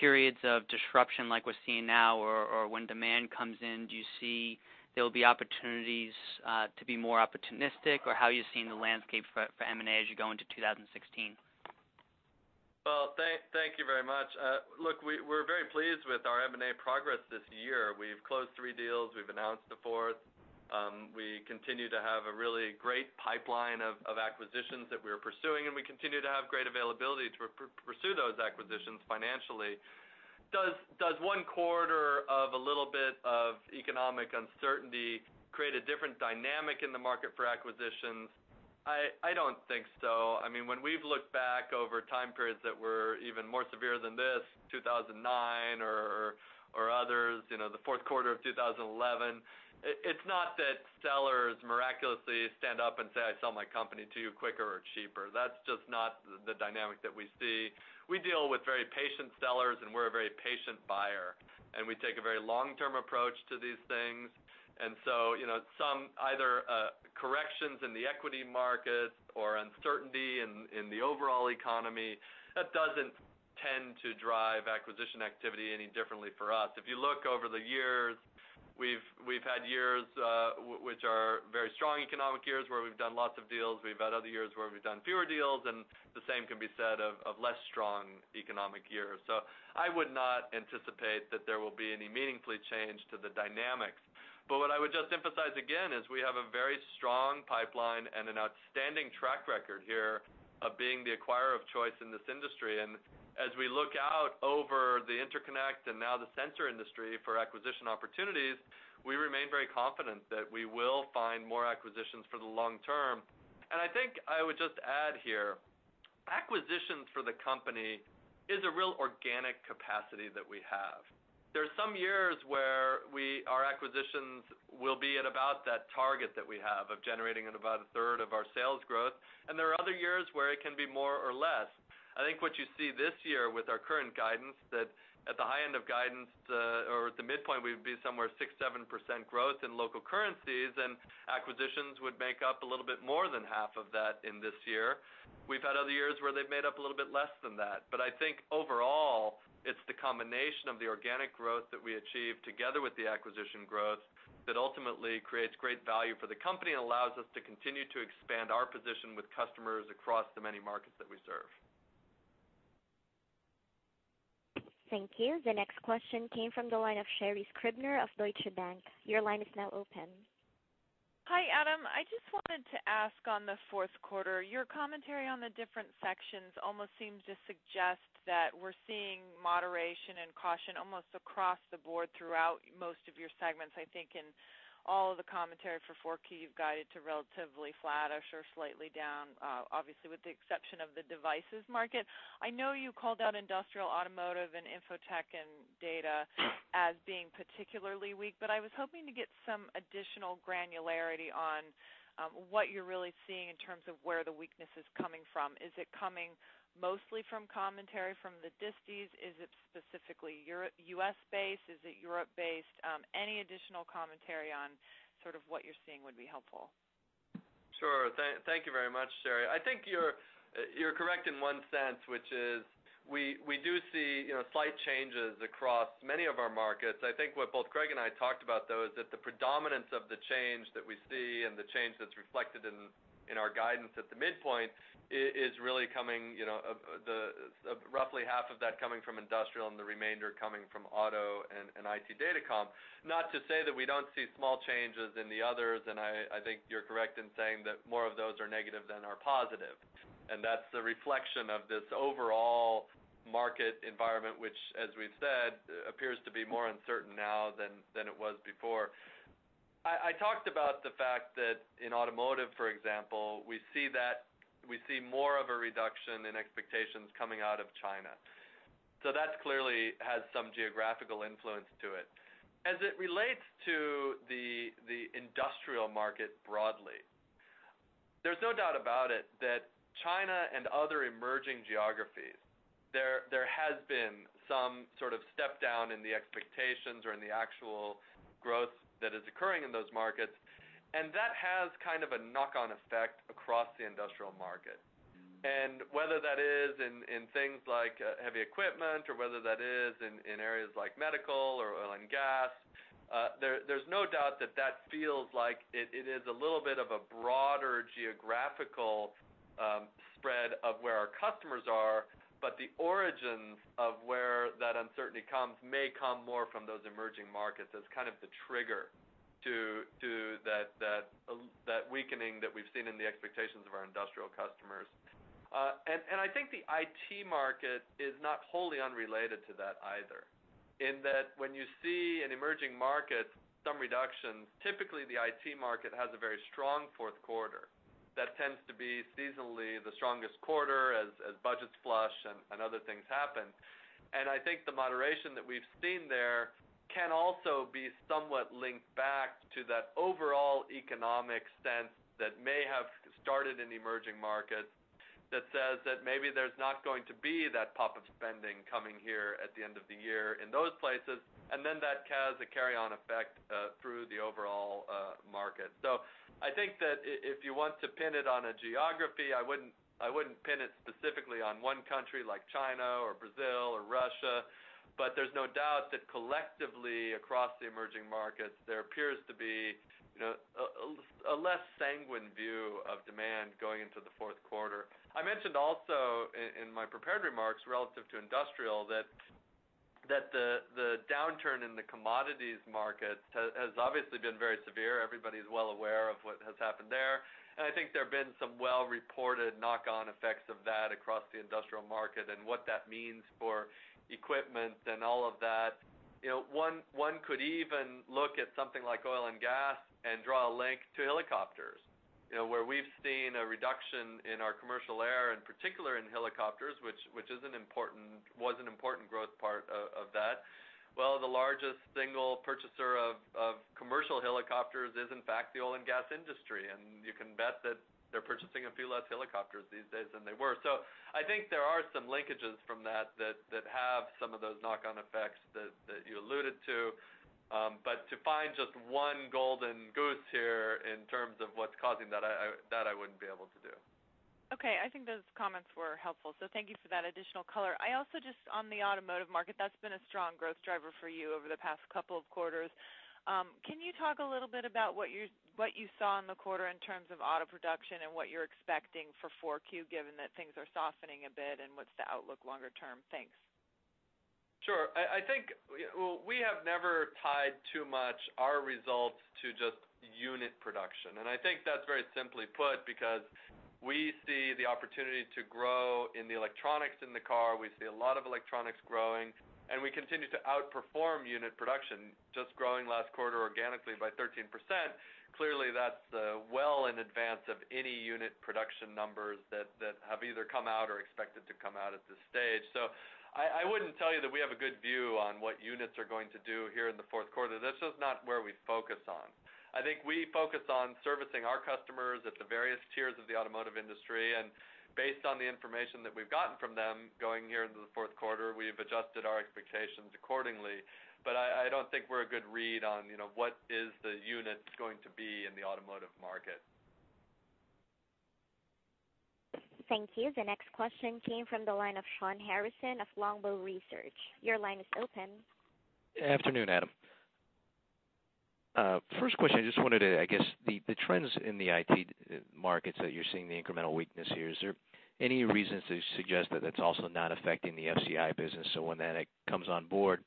periods of disruption like we're seeing now or when demand comes in? Do you see there will be opportunities to be more opportunistic, or how are you seeing the landscape for M&A as you go into 2 016? Well, thank you very much. Look, we're very pleased with our M&A progress this year. We've closed three deals. We've announced the fourth. We continue to have a really great pipeline of acquisitions that we're pursuing, and we continue to have great availability to pursue those acquisitions financially. Does one quarter of a little bit of economic uncertainty create a different dynamic in the market for acquisitions? I don't think so. I mean, when we've looked back over time periods that were even more severe than this, 2009 or others, the fourth quarter of 2011, it's not that sellers miraculously stand up and say, "I sell my company to you quicker or cheaper." That's just not the dynamic that we see. We deal with very patient sellers, and we're a very patient buyer. We take a very long-term approach to these things. So some either corrections in the equity markets or uncertainty in the overall economy, that doesn't tend to drive acquisition activity any differently for us. If you look over the years, we've had years which are very strong economic years where we've done lots of deals. We've had other years where we've done fewer deals, and the same can be said of less strong economic years. So I would not anticipate that there will be any meaningful changes to the dynamics. But what I would just emphasize again is we have a very strong pipeline and an outstanding track record here of being the acquirer of choice in this industry. And as we look out over the interconnect and now the sensor industry for acquisition opportunities, we remain very confident that we will find more acquisitions for the long term. And I think I would just add here, acquisitions for the company is a real organic capacity that we have. There are some years where our acquisitions will be at about that target that we have of generating about a 3rd of our sales growth, and there are other years where it can be more or less. I think what you see this year with our current guidance, that at the high end of guidance or at the midpoint, we'd be somewhere 6%-7% growth in local currencies, and acquisitions would make up a little bit more than half of that in this year. We've had other years where they've made up a little bit less than that. But I think overall, it's the combination of the organic growth that we achieve together with the acquisition growth that ultimately creates great value for the company and allows us to continue to expand our position with customers across the many markets that we serve. Thank you. The next question came from the line of Sherri Scribner of Deutsche Bank. Your line is now open. Hi, Adam. I just wanted to ask on the fourth quarter, your commentary on the different sections almost seems to suggest that we're seeing moderation and caution almost across the board throughout most of your segments. I think in all of the commentary for Q4 guided to relatively flattish or slightly down, obviously with the exception of the devices market. I know you called out industrial, automotive, and infotech and data as being particularly weak, but I was hoping to get some additional granularity on what you're really seeing in terms of where the weakness is coming from. Is it coming mostly from commentary from the disties? Is it specifically U.S.-based? Is it Europe-based? Any additional commentary on sort of what you're seeing would be helpful. Sure. Thank you very much, Sherri. I think you're correct in one sense, which is we do see slight changes across many of our markets. I think what both Craig and I talked about, though, is that the predominance of the change that we see and the change that's reflected in our guidance at the midpoint is really coming roughly half of that coming from industrial and the remainder coming from auto and IT data comp. Not to say that we don't see small changes in the others, and I think you're correct in saying that more of those are negative than are positive. And that's the reflection of this overall market environment, which, as we've said, appears to be more uncertain now than it was before. I talked about the fact that in automotive, for example, we see more of a reduction in expectations coming out of China. So that clearly has some geographical influence to it. As it relates to the industrial market broadly, there's no doubt about it that China and other emerging geographies, there has been some sort of step down in the expectations or in the actual growth that is occurring in those markets. And that has kind of a knock-on effect across the industrial market. And whether that is in things like heavy equipment or whether that is in areas like medical or oil and gas, there's no doubt that that feels like it is a little bit of a broader geographical spread of where our customers are. But the origins of where that uncertainty comes may come more from those emerging markets as kind of the trigger to that weakening that we've seen in the expectations of our industrial customers. I think the IT market is not wholly unrelated to that either, in that when you see an emerging market, some reductions, typically the IT market has a very strong fourth quarter that tends to be seasonally the strongest quarter as budgets flush and other things happen. I think the moderation that we've seen there can also be somewhat linked back to that overall economic sense that may have started in emerging markets that says that maybe there's not going to be that pop of spending coming here at the end of the year in those places, and then that has a carry-on effect through the overall market. So I think that if you want to pin it on a geography, I wouldn't pin it specifically on one country like China or Brazil or Russia, but there's no doubt that collectively across the emerging markets, there appears to be a less sanguine view of demand going into the fourth quarter. I mentioned also in my prepared remarks relative to industrial that the downturn in the commodities markets has obviously been very severe. Everybody's well aware of what has happened there. And I think there have been some well-reported knock-on effects of that across the industrial market and what that means for equipment and all of that. One could even look at something like oil and gas and draw a link to helicopters, where we've seen a reduction in our commercial air and particularly in helicopters, which was an important growth part of that. Well, the largest single purchaser of commercial helicopters is, in fact, the oil and gas industry, and you can bet that they're purchasing a few less helicopters these days than they were. So I think there are some linkages from that that have some of those knock-on effects that you alluded to. But to find just one golden goose here in terms of what's causing that, that I wouldn't be able to do. Okay. I think those comments were helpful. So thank you for that additional color. I also just, on the automotive market, that's been a strong growth driver for you over the past couple of quarters. Can you talk a little bit about what you saw in the quarter in terms of auto production and what you're expecting for 4Q, given that things are softening a bit and what's the outlook longer term? Thanks. Sure. I think we have never tied too much our results to just unit production. I think that's very simply put because we see the opportunity to grow in the electronics in the car. We see a lot of electronics growing, and we continue to outperform unit production, just growing last quarter organically by 13%. Clearly, that's well in advance of any unit production numbers that have either come out or expected to come out at this stage. I wouldn't tell you that we have a good view on what units are going to do here in the fourth quarter. That's just not where we focus on. I think we focus on servicing our customers at the various tiers of the automotive industry. Based on the information that we've gotten from them going here into the fourth quarter, we've adjusted our expectations accordingly. But I don't think we're a good read on what is the unit going to be in the automotive market. Thank you. The next question came from the line of Shawn Harrison of Longbow Research. Your line is open. Afternoon, Adam. First question, I just wanted to, I guess, the trends in the IT markets that you're seeing the incremental weakness here, is there any reasons to suggest that that's also not affecting the FCI business? So when that comes on board,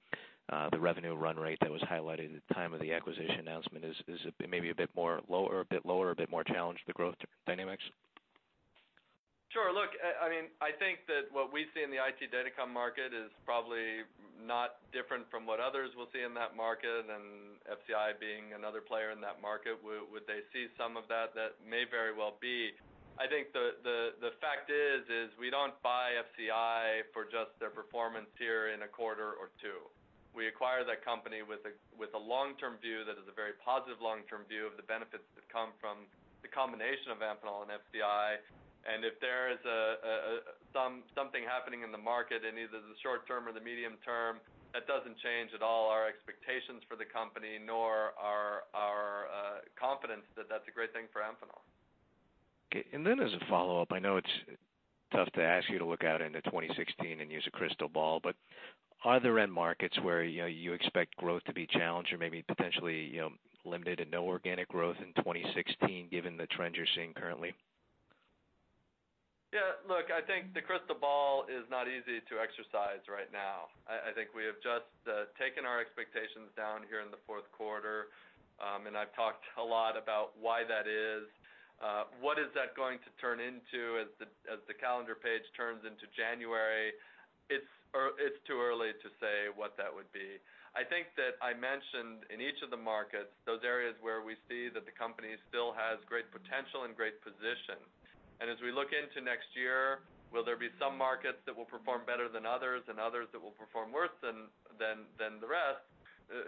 the revenue run rate that was highlighted at the time of the acquisition announcement is maybe a bit more lower, a bit more challenged, the growth dynamics? Sure. Look, I mean, I think that what we see in the IT data comp market is probably not different from what others will see in that market and FCI being another player in that market. Would they see some of that? That may very well be. I think the fact is we don't buy FCI for just their performance here in a quarter or two. We acquire that company with a long-term view that is a very positive long-term view of the benefits that come from the combination of Amphenol and FCI. And if there is something happening in the market in either the short term or the medium term, that doesn't change at all our expectations for the company nor our confidence that that's a great thing for Amphenol. Okay. And then as a follow-up, I know it's tough to ask you to look out into 2016 and use a crystal ball, but are there end markets where you expect growth to be challenged or maybe potentially limited and no organic growth in 2016 given the trends you're seeing currently? Yeah. Look, I think the crystal ball is not easy to exercise right now. I think we have just taken our expectations down here in the fourth quarter, and I've talked a lot about why that is. What is that going to turn into as the calendar page turns into January? It's too early to say what that would be. I think that I mentioned in each of the markets those areas where we see that the company still has great potential and great position. As we look into next year, will there be some markets that will perform better than others and others that will perform worse than the rest?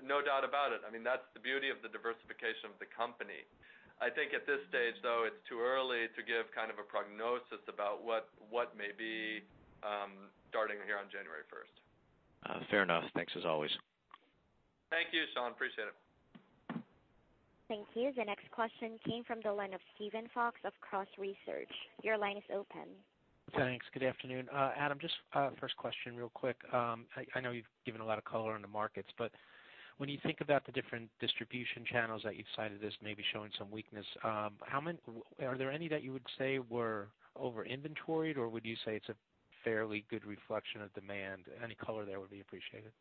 No doubt about it. I mean, that's the beauty of the diversification of the company. I think at this stage, though, it's too early to give kind of a prognosis about what may be starting here on January 1st. Fair enough. Thanks as always. Thank you, Shawn. Appreciate it. Thank you. The next question came from the line of Stephen Fox of Cross Research. Your line is open. Thanks. Good afternoon. Adam, just first question real quick. I know you've given a lot of color on the markets, but when you think about the different distribution channels that you've cited as maybe showing some weakness, are there any that you would say were over-inventoried, or would you say it's a fairly good reflection of demand? Any color there would be appreciated.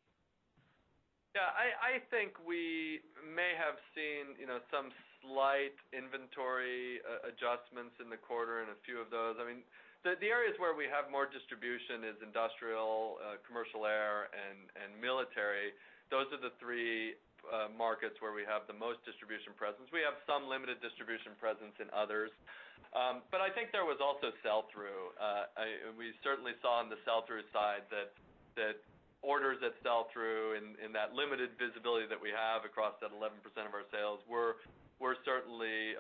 Yeah. I think we may have seen some slight inventory adjustments in the quarter in a few of those. I mean, the areas where we have more distribution are industrial, commercial air, and military. Those are the three markets where we have the most distribution presence. We have some limited distribution presence in others. But I think there was also sell-through. We certainly saw on the sell-through side that orders that sell-through in that limited visibility that we have across that 11% of our sales were certainly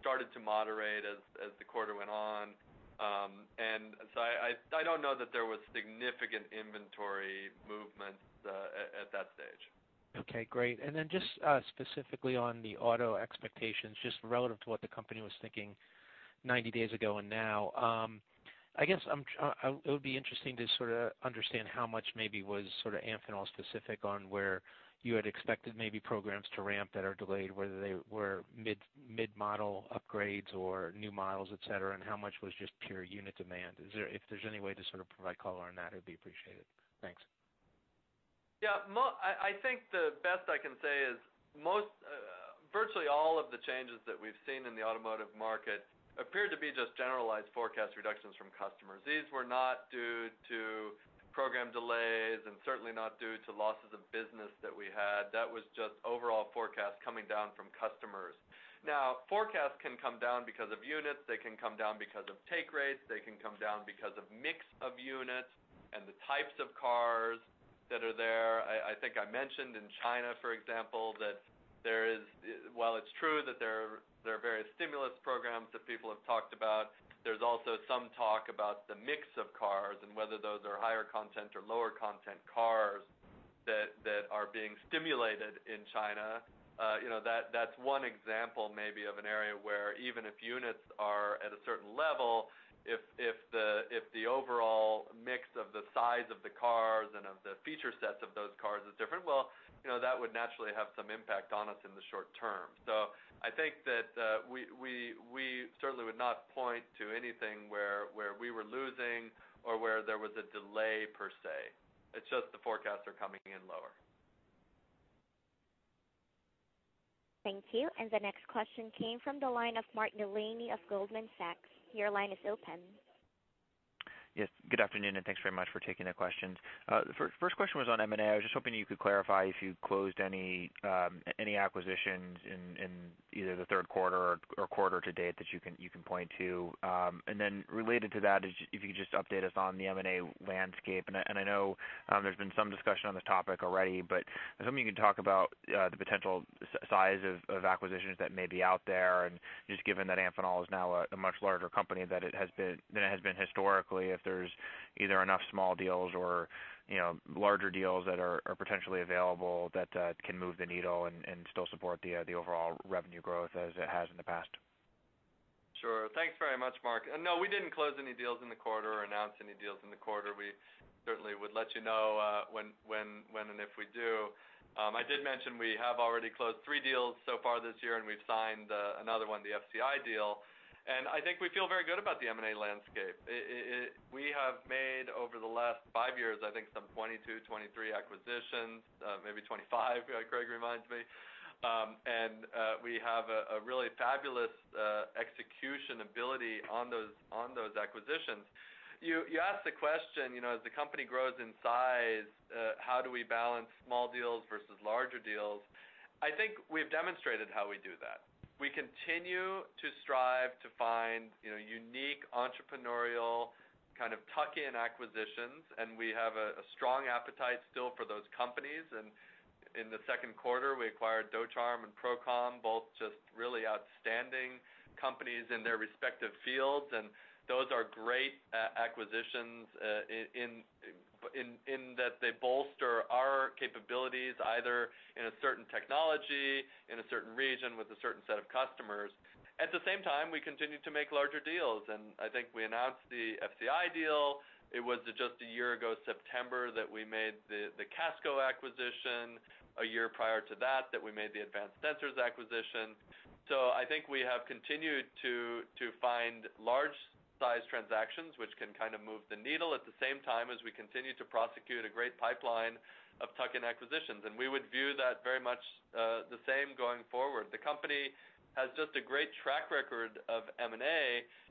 started to moderate as the quarter went on. And so I don't know that there was significant inventory movement at that stage. Okay. Great. And then just specifically on the auto expectations, just relative to what the company was thinking 90 days ago and now, I guess it would be interesting to sort of understand how much maybe was sort of Amphenol-specific on where you had expected maybe programs to ramp that are delayed, whether they were mid-model upgrades or new models, etc., and how much was just pure unit demand. If there's any way to sort of provide color on that, it would be appreciated. Thanks. Yeah. I think the best I can say is virtually all of the changes that we've seen in the automotive market appeared to be just generalized forecast reductions from customers. These were not due to program delays and certainly not due to losses of business that we had. That was just overall forecast coming down from customers. Now, forecasts can come down because of units. They can come down because of take rates. They can come down because of mix of units and the types of cars that are there. I think I mentioned in China, for example, that while it's true that there are various stimulus programs that people have talked about, there's also some talk about the mix of cars and whether those are higher content or lower content cars that are being stimulated in China. That's one example maybe of an area where even if units are at a certain level, if the overall mix of the size of the cars and of the feature sets of those cars is different, well, that would naturally have some impact on us in the short term. So I think that we certainly would not point to anything where we were losing or where there was a delay per se. It's just the forecasts are coming in lower. Thank you. And the next question came from the line of Mark Delaney of Goldman Sachs. Your line is open. Yes. Good afternoon, and thanks very much for taking the questions. First question was on M&A. I was just hoping you could clarify if you closed any acquisitions in either the third quarter or quarter to date that you can point to. And then related to that, if you could just update us on the M&A landscape. And I know there's been some discussion on this topic already, but I assume you can talk about the potential size of acquisitions that may be out there. And just given that Amphenol is now a much larger company than it has been historically, if there's either enough small deals or larger deals that are potentially available that can move the needle and still support the overall revenue growth as it has in the past? Sure. Thanks very much, Mark. No, we didn't close any deals in the quarter or announce any deals in the quarter. We certainly would let you know when and if we do. I did mention we have already closed three deals so far this year, and we've signed another one, the FCI deal. I think we feel very good about the M&A landscape. We have made over the last five years, I think, some 22, 23 acquisitions, maybe 25, Craig reminds me. We have a really fabulous execution ability on those acquisitions. You asked the question, as the company grows in size, how do we balance small deals versus larger deals? I think we've demonstrated how we do that. We continue to strive to find unique entrepreneurial kind of tuck-in acquisitions, and we have a strong appetite still for those companies. In the second quarter, we acquired Dochamp and Procom, both just really outstanding companies in their respective fields. Those are great acquisitions in that they bolster our capabilities either in a certain technology, in a certain region with a certain set of customers. At the same time, we continue to make larger deals. I think we announced the FCI deal. It was just a year ago, September, that we made the Casco acquisition. A year prior to that, we made the Advanced Sensors acquisition. So I think we have continued to find large-sized transactions, which can kind of move the needle at the same time as we continue to prosecute a great pipeline of tuck-in acquisitions. And we would view that very much the same going forward. The company has just a great track record of M&A,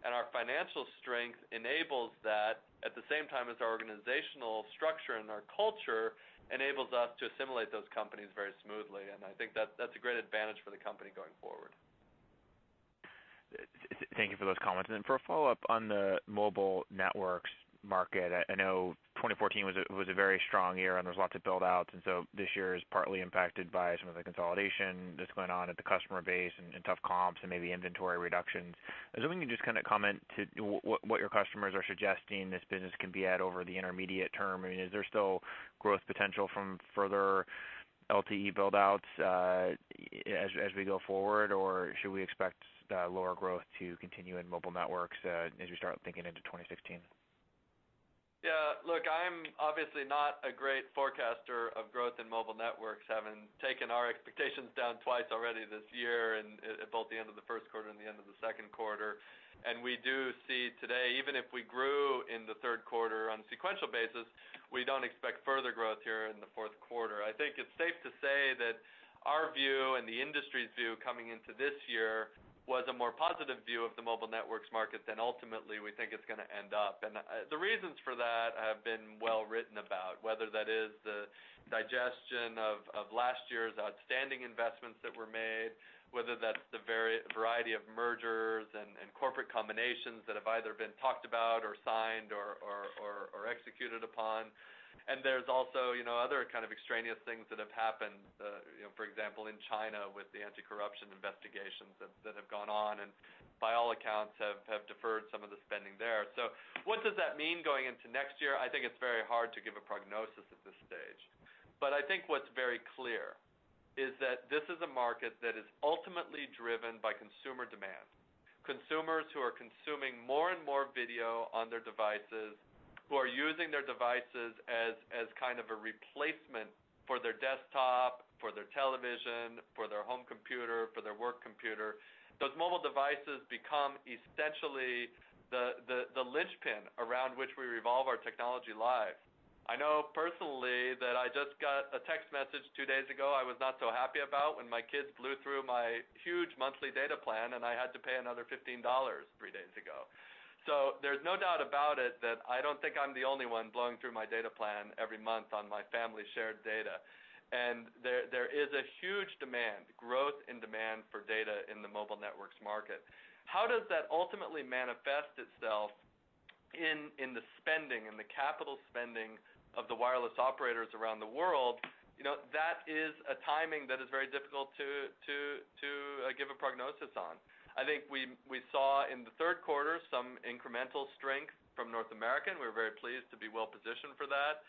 and our financial strength enables that at the same time as our organizational structure and our culture enables us to assimilate those companies very smoothly. And I think that's a great advantage for the company going forward. Thank you for those comments. For a follow-up on the mobile networks market, I know 2014 was a very strong year, and there was a lot to build out. So this year is partly impacted by some of the consolidation that's going on at the customer base and tough comps and maybe inventory reductions. I was wondering if you could just kind of comment to what your customers are suggesting this business can be at over the intermediate term. I mean, is there still growth potential from further LTE buildouts as we go forward, or should we expect lower growth to continue in mobile networks as we start thinking into 2016? Yeah. Look, I'm obviously not a great forecaster of growth in mobile networks, having taken our expectations down twice already this year at both the end of the first quarter and the end of the second quarter. We do see today, even if we grew in the third quarter on a sequential basis, we don't expect further growth here in the fourth quarter. I think it's safe to say that our view and the industry's view coming into this year was a more positive view of the mobile networks market than ultimately we think it's going to end up. The reasons for that have been well-written about, whether that is the digestion of last year's outstanding investments that were made, whether that's the variety of mergers and corporate combinations that have either been talked about or signed or executed upon. There's also other kind of extraneous things that have happened, for example, in China with the anti-corruption investigations that have gone on and by all accounts have deferred some of the spending there. What does that mean going into next year? I think it's very hard to give a prognosis at this stage. But I think what's very clear is that this is a market that is ultimately driven by consumer demand. Consumers who are consuming more and more video on their devices, who are using their devices as kind of a replacement for their desktop, for their television, for their home computer, for their work computer, those mobile devices become essentially the linchpin around which we revolve our technology lives. I know personally that I just got a text message two days ago, I was not so happy about when my kids blew through my huge monthly data plan, and I had to pay another $15 three days ago. So there's no doubt about it that I don't think I'm the only one blowing through my data plan every month on my family-shared data. There is a huge demand, growth in demand for data in the mobile networks market. How does that ultimately manifest itself in the spending, in the capital spending of the wireless operators around the world? That is a timing that is very difficult to give a prognosis on. I think we saw in the third quarter some incremental strength from North America. We were very pleased to be well-positioned for that.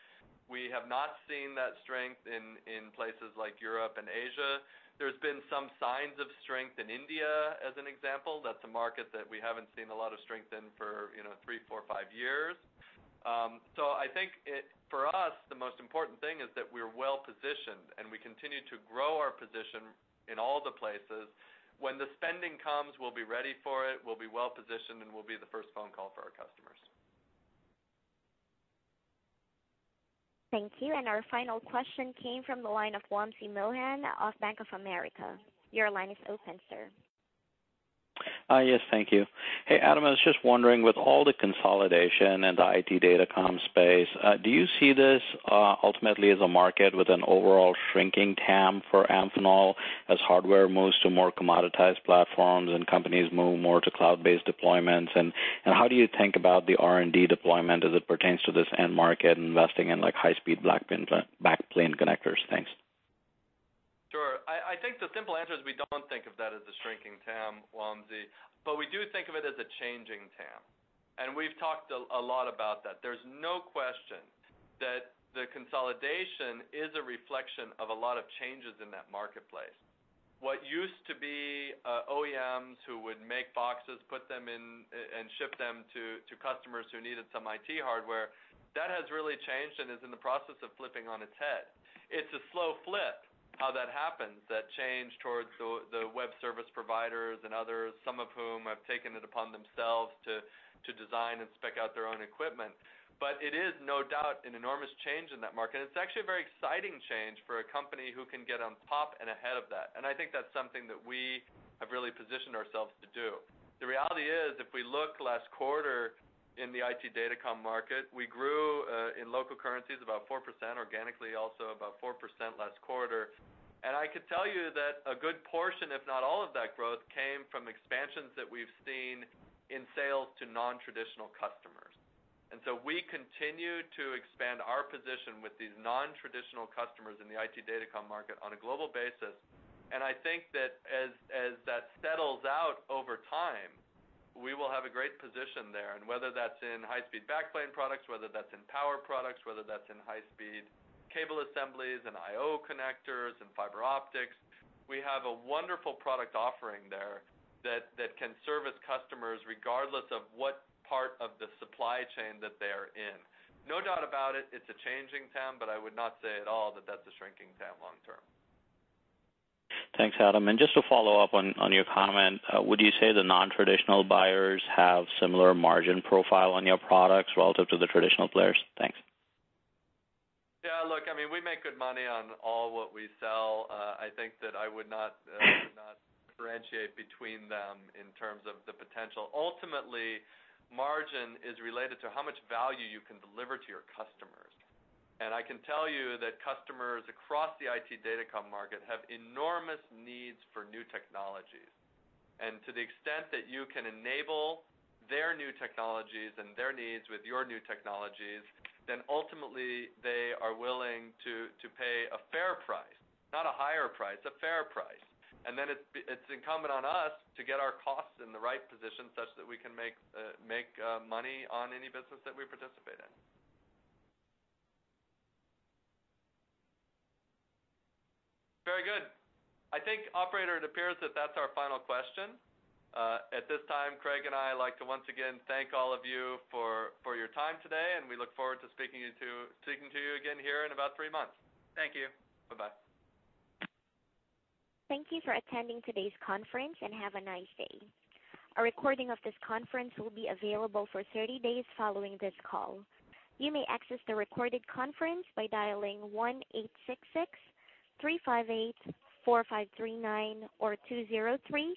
We have not seen that strength in places like Europe and Asia. There's been some signs of strength in India, as an example. That's a market that we haven't seen a lot of strength in for 3, 4, 5 years. So I think for us, the most important thing is that we're well-positioned and we continue to grow our position in all the places. When the spending comes, we'll be ready for it, we'll be well-positioned, and we'll be the first phone call for our customers. Thank you. And our final question came from the line of Wamsi Mohan of Bank of America. Your line is open, sir. Yes. Thank you. Hey, Adam, I was just wondering, with all the consolidation and the IT DataCom space, do you see this ultimately as a market with an overall shrinking TAM for Amphenol as hardware moves to more commoditized platforms and companies move more to cloud-based deployments? And how do you think about the R&D deployment as it pertains to this end market and investing in high-speed backplane connectors? Thanks. Sure. I think the simple answer is we don't think of that as a shrinking TAM, Wamsi, but we do think of it as a changing TAM. And we've talked a lot about that. There's no question that the consolidation is a reflection of a lot of changes in that marketplace. What used to be OEMs who would make boxes, put them in, and ship them to customers who needed some IT hardware, that has really changed and is in the process of flipping on its head. It's a slow flip how that happens, that change towards the web service providers and others, some of whom have taken it upon themselves to design and spec out their own equipment. But it is no doubt an enormous change in that market. And it's actually a very exciting change for a company who can get on top and ahead of that. And I think that's something that we have really positioned ourselves to do. The reality is, if we look last quarter in the IT DataCom market, we grew in local currencies about 4%, organically also about 4% last quarter. And I could tell you that a good portion, if not all of that growth, came from expansions that we've seen in sales to non-traditional customers. And so we continue to expand our position with these non-traditional customers in the IT DataCom market on a global basis. And I think that as that settles out over time, we will have a great position there. And whether that's in high-speed backplane products, whether that's in power products, whether that's in high-speed cable assemblies and I/O connectors and fiber optics, we have a wonderful product offering there that can service customers regardless of what part of the supply chain that they are in. No doubt about it, it's a changing TAM, but I would not say at all that that's a shrinking TAM long term. Thanks, Adam. And just to follow up on your comment, would you say the non-traditional buyers have similar margin profile on your products relative to the traditional players? Thanks. Yeah. Look, I mean, we make good money on all what we sell. I think that I would not differentiate between them in terms of the potential. Ultimately, margin is related to how much value you can deliver to your customers. And I can tell you that customers across the IT DataCom market have enormous needs for new technologies. And to the extent that you can enable their new technologies and their needs with your new technologies, then ultimately they are willing to pay a fair price, not a higher price, a fair price. And then it's incumbent on us to get our costs in the right position such that we can make money on any business that we participate in. Very good. I think, operator, it appears that that's our final question. At this time, Craig and I like to once again thank all of you for your time today, and we look forward to speaking to you again here in about three months. Thank you. Bye-bye. Thank you for attending today's conference and have a nice day. A recording of this conference will be available for 30 days following this call. You may access the recorded conference by dialing 1-866-358-4539 or 203.